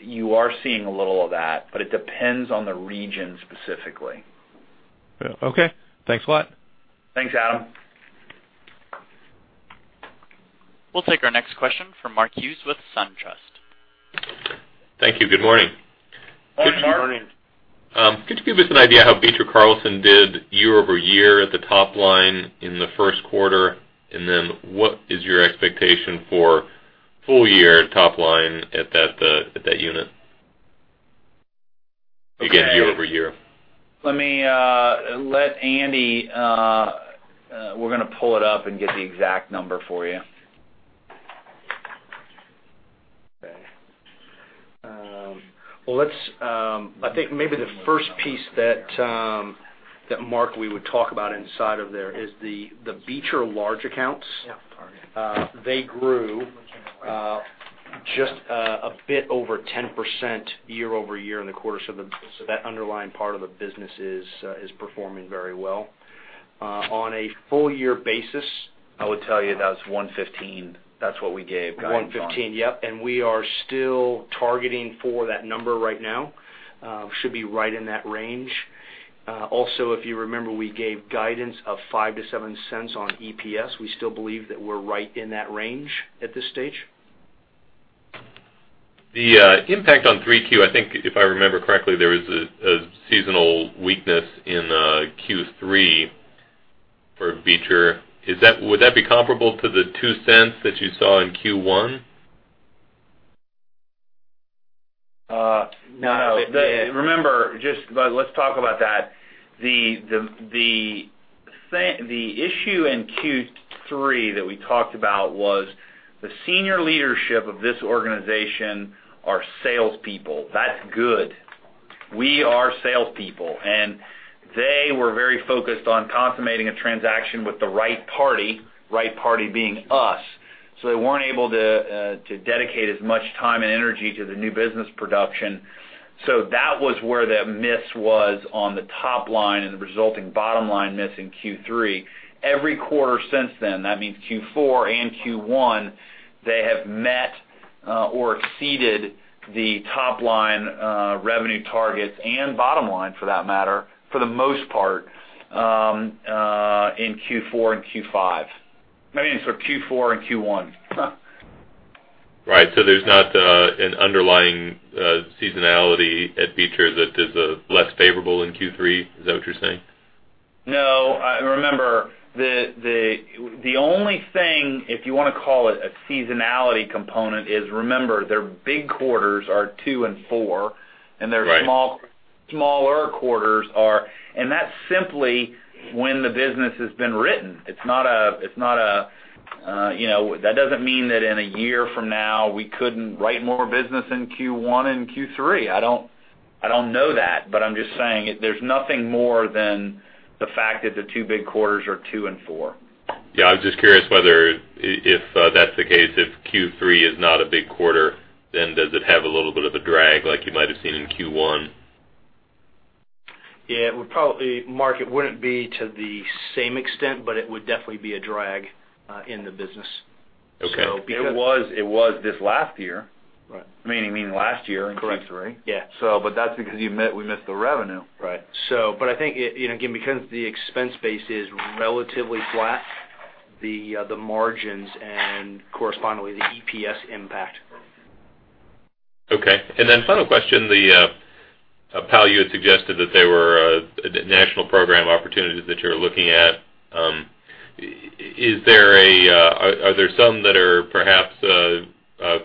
S2: you are seeing a little of that, but it depends on the region specifically.
S7: Yeah. Okay. Thanks a lot.
S2: Thanks, Adam.
S1: We'll take our next question from Mark Hughes with SunTrust.
S8: Thank you. Good morning.
S3: Hi, Mark. Good morning.
S8: Could you give us an idea how Beecher Carlson did year-over-year at the top line in the first quarter, and then what is your expectation for full year top line at that unit?
S2: Okay.
S8: Again, year-over-year.
S2: Let me let Andy. We're going to pull it up and get the exact number for you.
S3: Okay. I think maybe the first piece that, Mark, we would talk about inside of there is the Beecher large accounts. Yeah. They grew just a bit over 10% year-over-year in the quarter. That underlying part of the business is performing very well. On a full year basis.
S2: I would tell you that was 115. That's what we gave guidance on.
S3: 115, yep. We are still targeting for that number right now. Should be right in that range. Also, if you remember, we gave guidance of $0.05-$0.07 on EPS. We still believe that we're right in that range at this stage.
S8: The impact on 3Q, I think if I remember correctly, there was a seasonal weakness in Q3 for Beecher Carlson. Would that be comparable to the $0.02 that you saw in Q1?
S3: No. No.
S2: Let's talk about that. The issue in Q3 that we talked about was the senior leadership of this organization are salespeople. That's good. We are salespeople, and they were very focused on consummating a transaction with the right party, right party being us. They weren't able to dedicate as much time and energy to the new business production. That was where the miss was on the top line, and the resulting bottom line miss in Q3. Every quarter since then, that means Q4 and Q1, they have met or exceeded the top line revenue targets, and bottom line for that matter, for the most part, in Q4 and Q1. Maybe in sort of Q4 and Q1.
S8: Right. There's not an underlying seasonality at Beecher Carlson that is less favorable in Q3. Is that what you're saying?
S2: No. Remember, the only thing, if you want to call it a seasonality component is, remember, their big quarters are 2 and 4-
S8: Right
S2: their smaller quarters are-- That's simply when the business has been written. That doesn't mean that in a year from now, we couldn't write more business in Q1 and Q3. I don't know that, but I'm just saying, there's nothing more than the fact that the two big quarters are 2 and 4.
S8: Yeah, I was just curious whether if that's the case, if Q3 is not a big quarter, then does it have a little bit of a drag like you might've seen in Q1?
S3: Yeah, Mark, it wouldn't be to the same extent, but it would definitely be a drag in the business.
S8: Okay.
S3: So because-
S2: It was this last year.
S3: Right.
S2: Meaning last year in Q3.
S3: Correct. Yeah.
S2: That's because we missed the revenue.
S3: Right. I think, again, because the expense base is relatively flat, the margins and correspondingly the EPS impact.
S8: Okay. Final question, Powell, you had suggested that there were national program opportunities that you're looking at. Are there some that are perhaps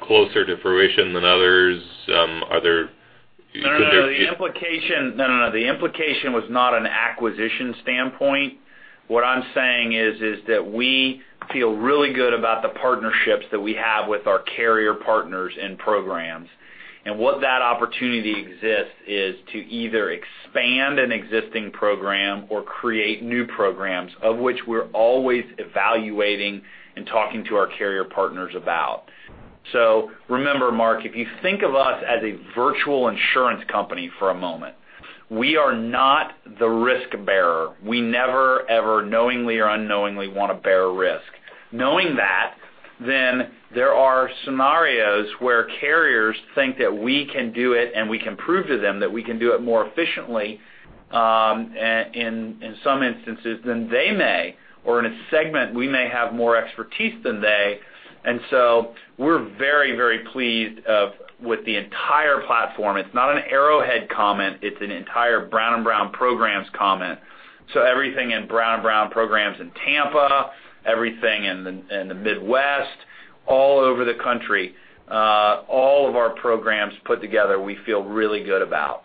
S8: closer to fruition than others?
S2: No. The implication was not an acquisition standpoint. What I'm saying is that we feel really good about the partnerships that we have with our carrier partners and programs. What that opportunity exists is to either expand an existing program or create new programs, of which we're always evaluating and talking to our carrier partners about. Remember, Mark, if you think of us as a virtual insurance company for a moment, we are not the risk bearer. We never, ever, knowingly or unknowingly, want to bear risk. Knowing that, then there are scenarios where carriers think that we can do it, and we can prove to them that we can do it more efficiently, in some instances, than they may, or in a segment, we may have more expertise than they. We're very pleased with the entire platform. It's not an Arrowhead comment, it's an entire Brown & Brown Programs comment. Everything in Brown & Brown Programs in Tampa, everything in the Midwest, all over the country, all of our programs put together, we feel really good about.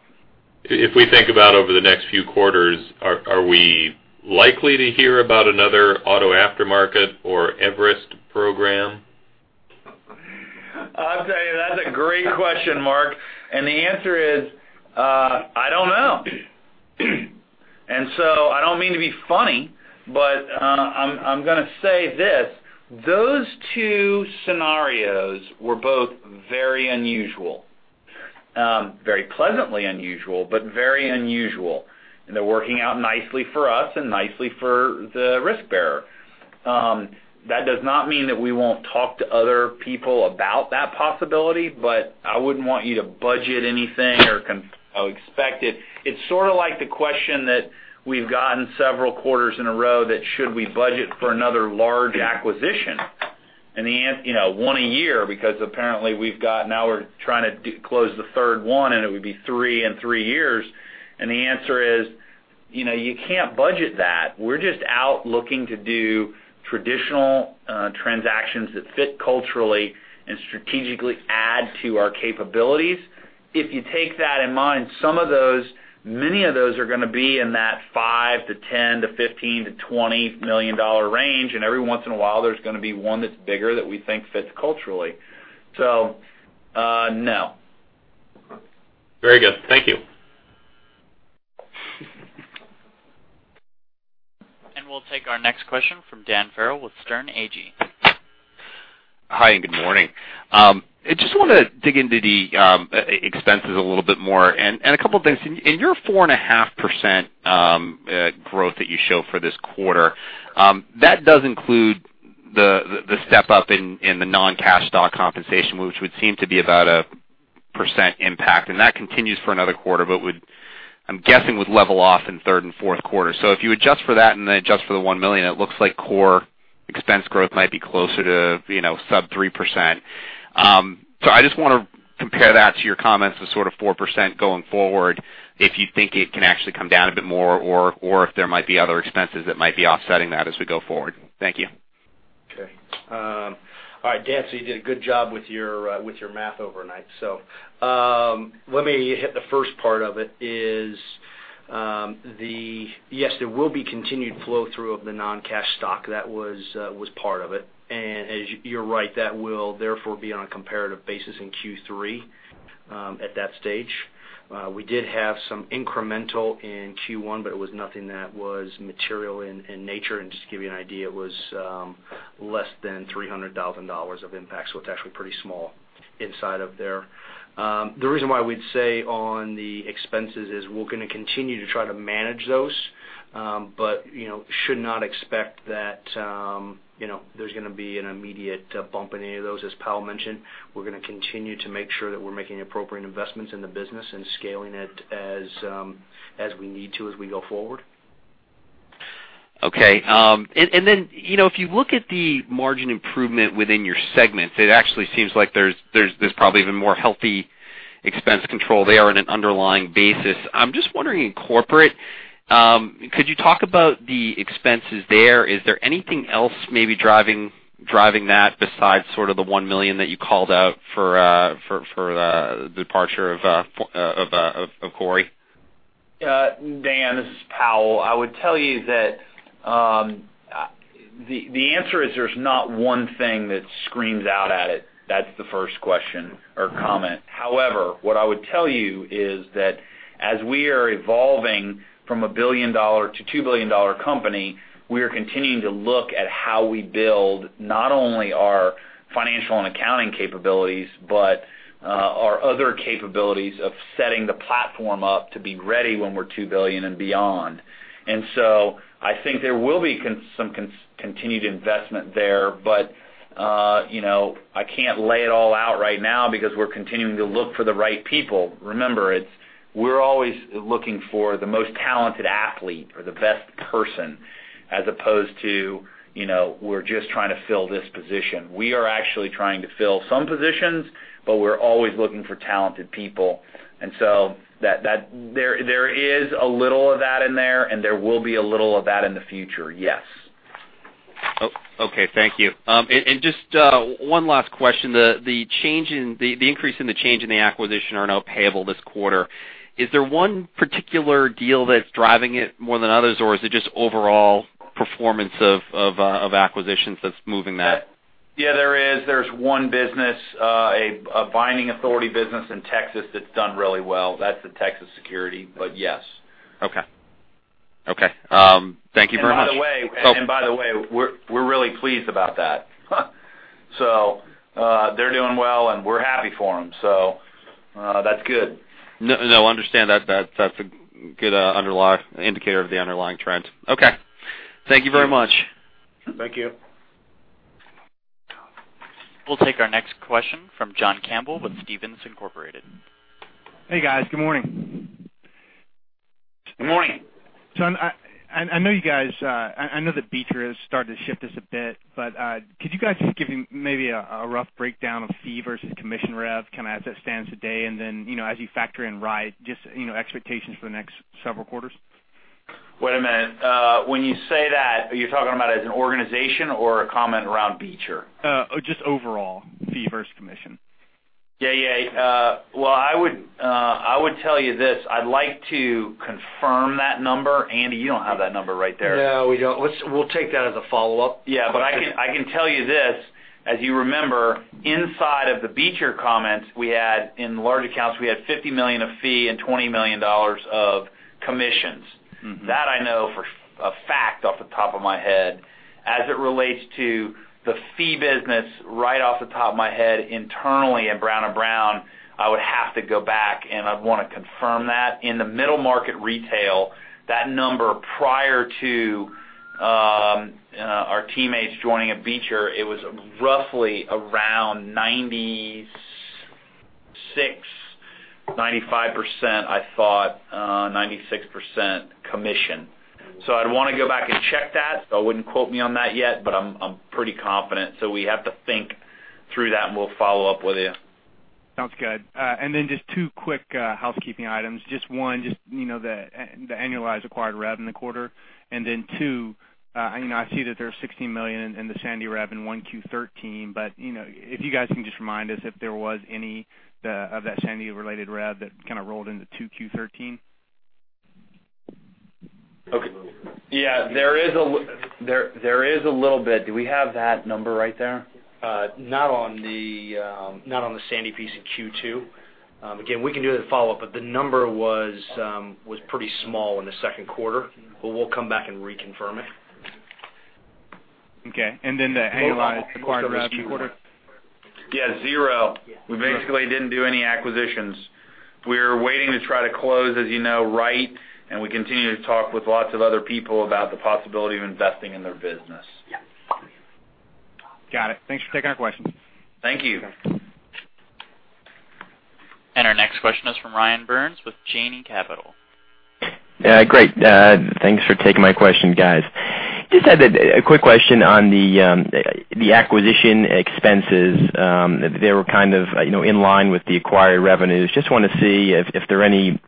S8: If we think about over the next few quarters, are we likely to hear about another auto aftermarket or Everest program?
S2: I'll tell you, that's a great question, Mark. The answer is, I don't know. I don't mean to be funny, but I'm going to say this. Those two scenarios were both very unusual. Very pleasantly unusual, but very unusual, and they're working out nicely for us and nicely for the risk bearer. That does not mean that we won't talk to other people about that possibility, but I wouldn't want you to budget anything or expect it. It's sort of like the question that we've gotten several quarters in a row that should we budget for another large acquisition? One a year, because apparently now we're trying to close the third one, and it would be three in three years, and the answer is, you can't budget that. We're just out looking to do traditional transactions that fit culturally and strategically add to our capabilities. If you take that in mind, many of those are going to be in that $5 million to $10 million to $15 million to $20 million range, and every once in a while, there's going to be one that's bigger that we think fits culturally. No.
S8: Very good. Thank you.
S1: We'll take our next question from Dan Farrell with Sterne Agee.
S9: Hi, good morning. I just want to dig into the expenses a little bit more and a couple things. In your 4.5% growth that you show for this quarter, that does include the step-up in the non-cash stock compensation, which would seem to be about a 1% impact, and that continues for another quarter, but I'm guessing would level off in third and fourth quarter. If you adjust for that and then adjust for the $1 million, it looks like core expense growth might be closer to sub 3%. I just want to compare that to your comments of sort of 4% going forward, if you think it can actually come down a bit more or if there might be other expenses that might be offsetting that as we go forward. Thank you.
S3: Okay. All right, Dan, you did a good job with your math overnight. Let me hit the first part of it is, yes, there will be continued flow-through of the non-cash stock. That was part of it. As you're right, that will therefore be on a comparative basis in Q3, at that stage. We did have some incremental in Q1, but it was nothing that was material in nature. Just to give you an idea, it was less than $300,000 of impact, so it's actually pretty small inside of there. The reason why we'd say on the expenses is we're going to continue to try to manage those, but should not expect that there's going to be an immediate bump in any of those, as Powell mentioned. We're going to continue to make sure that we're making appropriate investments in the business and scaling it as we need to as we go forward.
S9: Okay. If you look at the margin improvement within your segments, it actually seems like there's probably even more healthy expense control there on an underlying basis. I'm just wondering, in corporate, could you talk about the expenses there? Is there anything else maybe driving that besides sort of the $1 million that you called out for the departure of Cory?
S2: Dan, this is Powell. I would tell you that the answer is there's not one thing that screams out at it. That's the first question or comment. However, what I would tell you is that as we are evolving from a billion-dollar to $2 billion company, we are continuing to look at how we build not only our financial and accounting capabilities, but our other capabilities of setting the platform up to be ready when we're $2 billion and beyond. I think there will be some continued investment there. I can't lay it all out right now because we're continuing to look for the right people. Remember, we're always looking for the most talented athlete or the best person as opposed to we're just trying to fill this position. We are actually trying to fill some positions, but we're always looking for talented people. There is a little of that in there, and there will be a little of that in the future, yes.
S9: Okay. Thank you. Just one last question. The increase in the change in the acquisition earnout payable this quarter. Is there one particular deal that's driving it more than others, or is it just overall performance of acquisitions that's moving that?
S2: Yeah, there is. There's one business, a binding authority business in Texas that's done really well. That's the Texas Security, yes.
S9: Okay. Thank you very much.
S2: By the way, we're really pleased about that. They're doing well, and we're happy for them. That's good.
S9: Understand. That's a good indicator of the underlying trend. Thank you very much.
S2: Thank you.
S1: We'll take our next question from John Campbell with Stephens Inc..
S10: Hey, guys. Good morning.
S2: Good morning.
S10: I know the Beecher has started to shift this a bit, but could you guys just give me maybe a rough breakdown of fee versus commission rev, kind of as it stands today? Then, as you factor in Wright, just expectations for the next several quarters?
S2: Wait a minute. When you say that, are you talking about as an organization or a comment around Beecher?
S10: Just overall, fee versus commission.
S2: Well, I would tell you this. I'd like to confirm that number. Andy, you don't have that number right there.
S3: No, we don't. We'll take that as a follow-up.
S2: I can tell you this. As you remember, inside of the Beecher comments, in large accounts, we had $50 million of fee and $20 million of commissions. That I know for a fact off the top of my head. As it relates to the fee business, right off the top of my head, internally at Brown & Brown, I would have to go back, and I'd want to confirm that. In the middle market retail, that number, prior to our teammates joining at Beecher, it was roughly around 96%, 95%, I thought, 96% commission. I'd want to go back and check that, so I wouldn't quote me on that yet, but I'm pretty confident. We have to think through that, and we'll follow up with you.
S10: Sounds good. One, the annualized acquired rev in the quarter. Two, I see that there's $16 million in the Sandy rev in 1Q13, if you guys can just remind us if there was any of that Sandy-related rev that kind of rolled into 2Q13?
S2: Okay. Yeah, there is a little bit. Do we have that number right there?
S3: Not on the Sandy piece in Q2. We can do the follow-up, the number was pretty small in the second quarter. We'll come back and reconfirm it.
S10: Okay. The annualized acquired rev in the quarter?
S2: Yeah, zero. We basically didn't do any acquisitions. We're waiting to try to close, as you know, Wright, and we continue to talk with lots of other people about the possibility of investing in their business.
S3: Yeah.
S10: Got it. Thanks for taking our questions.
S2: Thank you.
S1: Our next question is from Ryan Burns with Janney Capital.
S11: Yeah, great. Thanks for taking my question, guys. Had a quick question on the acquisition expenses. They were kind of in line with the acquired revenues. Want to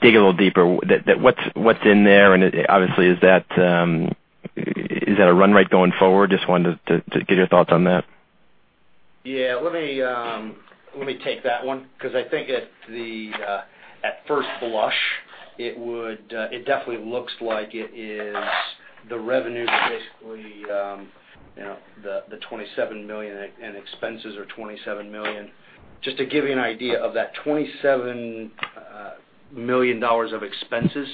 S11: dig a little deeper. What's in there, obviously, is that a run rate going forward? Wanted to get your thoughts on that.
S3: Yeah, let me take that one, because I think at first blush, it definitely looks like it is the revenues, basically, the $27 million, and expenses are $27 million. To give you an idea, of that $27 million of expenses,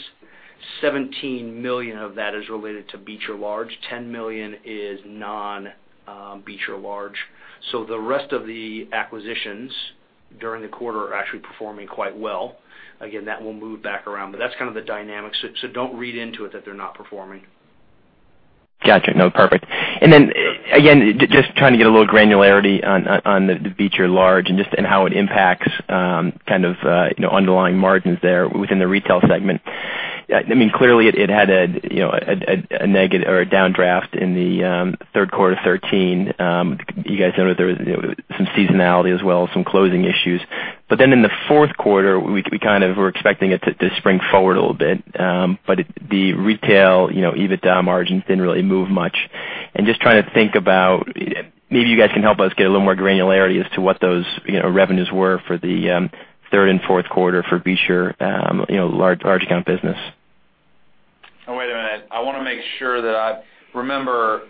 S3: $17 million of that is related to Beecher Large, $10 million is non-Beecher Large. The rest of the acquisitions during the quarter are actually performing quite well. Again, that will move back around, but that's kind of the dynamics. Don't read into it that they're not performing.
S11: Got you. No, perfect. Again, just trying to get a little granularity on the Beecher Large and how it impacts kind of underlying margins there within the retail segment. Clearly, it had a negative or a downdraft in the third quarter of 2013. You guys noted there was some seasonality as well, some closing issues. In the fourth quarter, we kind of were expecting it to spring forward a little bit. The retail EBITDA margins didn't really move much. Trying to think about, maybe you guys can help us get a little more granularity as to what those revenues were for the third and fourth quarter for Beecher large account business.
S2: Oh, wait a minute. I want to make sure that I remember,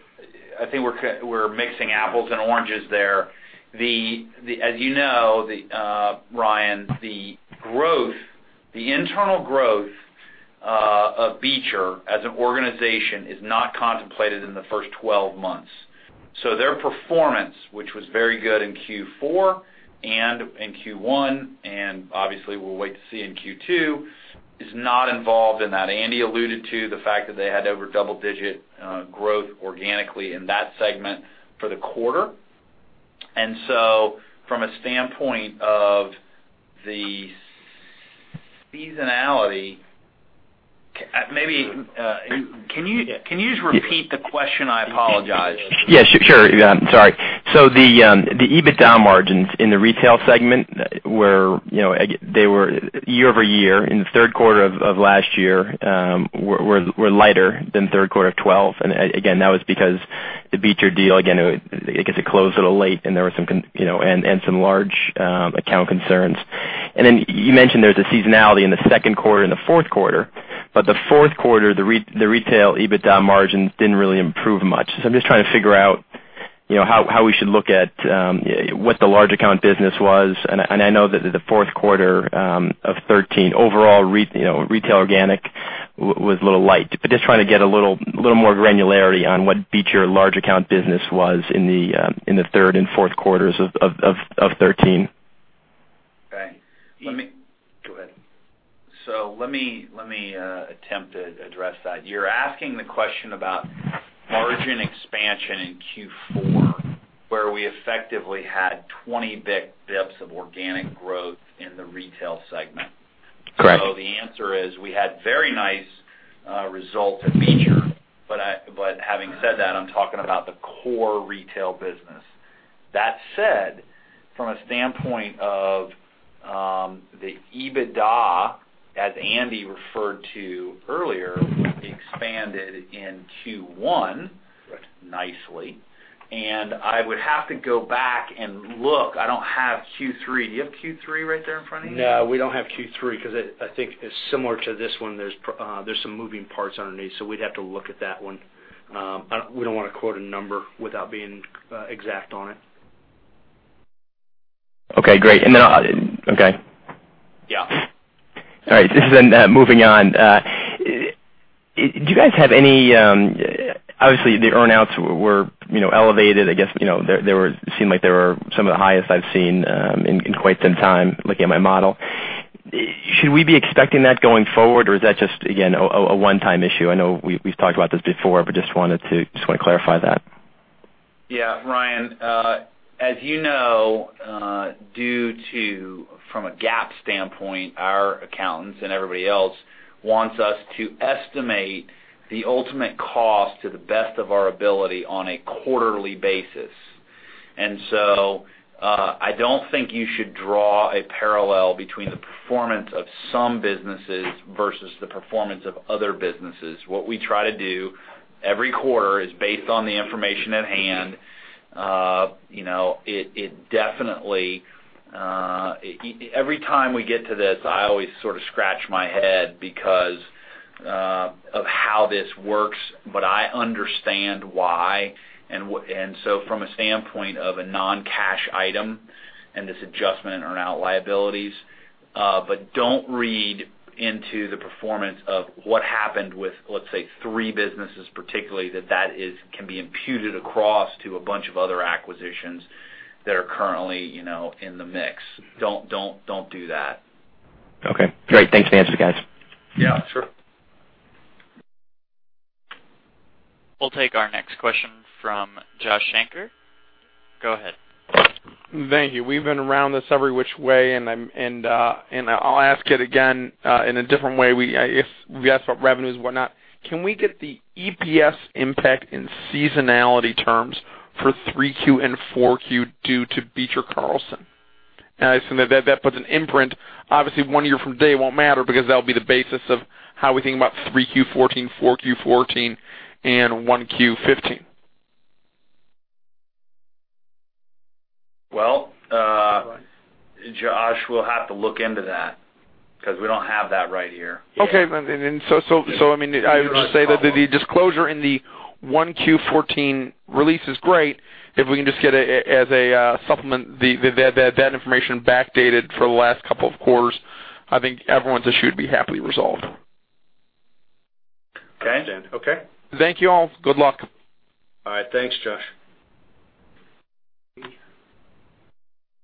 S2: I think we're mixing apples and oranges there. As you know, Ryan, the internal growth of Beecher as an organization is not contemplated in the first 12 months. Their performance, which was very good in Q4 and in Q1, obviously we'll wait to see in Q2, is not involved in that. Andy alluded to the fact that they had over double-digit growth organically in that segment for the quarter. From a standpoint of the seasonality, maybe can you just repeat the question? I apologize.
S11: Yeah, sure. Sorry. The EBITDA margins in the retail segment, they were year-over-year in the third quarter of last year, were lighter than third quarter of 2012. Again, that was because the Beecher deal, again, I guess it closed a little late, and there were some large account concerns. Then you mentioned there's a seasonality in the second quarter and the fourth quarter, but the fourth quarter, the retail EBITDA margins didn't really improve much. I'm just trying to figure out how we should look at what the large account business was. I know that the fourth quarter of 2013 overall retail organic was a little light, but just trying to get a little more granularity on what Beecher large account business was in the third and fourth quarters of 2013.
S2: Okay.
S3: Go ahead.
S2: Let me attempt to address that. You're asking the question about margin expansion in Q4, where we effectively had 20 basis points of organic growth in the retail segment.
S11: Correct.
S2: The answer is we had very nice results at Beecher. Having said that, I'm talking about the core retail business. That said, from a standpoint of the EBITDA, as Andy referred to earlier, expanded in Q1.
S3: Right
S2: Nicely. I would have to go back and look. I don't have Q3. Do you have Q3 right there in front of you?
S3: No, we don't have Q3 because I think it's similar to this one. There's some moving parts underneath, so we'd have to look at that one. We don't want to quote a number without being exact on it.
S11: Okay, great.
S2: Yeah.
S11: This is moving on. Do you guys have any, obviously the earn-outs were elevated. I guess it seemed like they were some of the highest I've seen in quite some time, looking at my model. Should we be expecting that going forward, or is that just, again, a one-time issue? I know we've talked about this before, just want to clarify that.
S2: Yeah. Ryan, as you know, from a GAAP standpoint, our accountants and everybody else wants us to estimate the ultimate cost to the best of our ability on a quarterly basis. I don't think you should draw a parallel between the performance of some businesses versus the performance of other businesses. What we try to do every quarter is based on the information at hand. Every time we get to this, I always sort of scratch my head because of how this works, but I understand why. From a standpoint of a non-cash item and this adjustment in earn-out liabilities. Don't read into the performance of what happened with, let's say, three businesses particularly, that can be imputed across to a bunch of other acquisitions that are currently in the mix. Don't do that.
S11: Okay. Great. Thanks for the answer, guys.
S2: Yeah, sure.
S1: We'll take our next question from Joshua Shanker. Go ahead.
S12: Thank you. We've been around this every which way, and I'll ask it again in a different way. We asked about revenues and whatnot. Can we get the EPS impact in seasonality terms for 3Q and 4Q due to Beecher Carlson? I assume that puts an imprint. Obviously, one year from day won't matter because that'll be the basis of how we think about 3Q14, 4Q14, and 1Q15.
S2: Well-
S3: Right
S2: Josh, we'll have to look into that because we don't have that right here.
S12: Okay. I would just say that the disclosure in the 1Q14 release is great. If we can just get it as a supplement, that information backdated for the last couple of quarters, I think everyone's issue would be happily resolved.
S2: Okay.
S3: Understand. Okay.
S12: Thank you all. Good luck.
S2: All right. Thanks, Josh.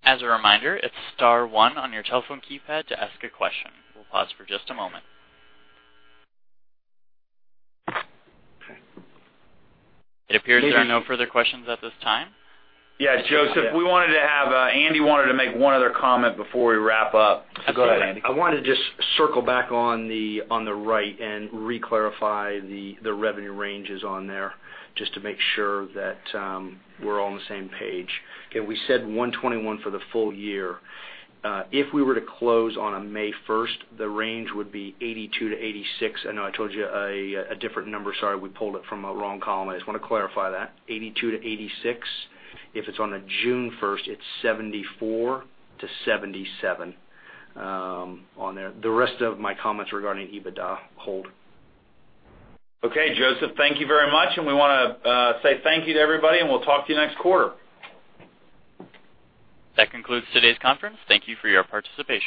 S1: As a reminder, it's star one on your telephone keypad to ask a question. We'll pause for just a moment. It appears there are no further questions at this time.
S2: Yes, Joseph, Andy wanted to make one other comment before we wrap up. Go ahead, Andy.
S3: I want to just circle back on the Wright and re-clarify the revenue ranges on there, just to make sure that we're all on the same page. We said $121 for the full year. If we were to close on May 1st, the range would be $82-$86. I know I told you a different number, sorry, we pulled it from a wrong column. I just want to clarify that. $82-$86. If it's on a June 1st, it's $74-$77 on there. The rest of my comments regarding EBITDA hold.
S2: Okay, Joseph, thank you very much. We want to say thank you to everybody, and we'll talk to you next quarter.
S1: That concludes today's conference. Thank you for your participation.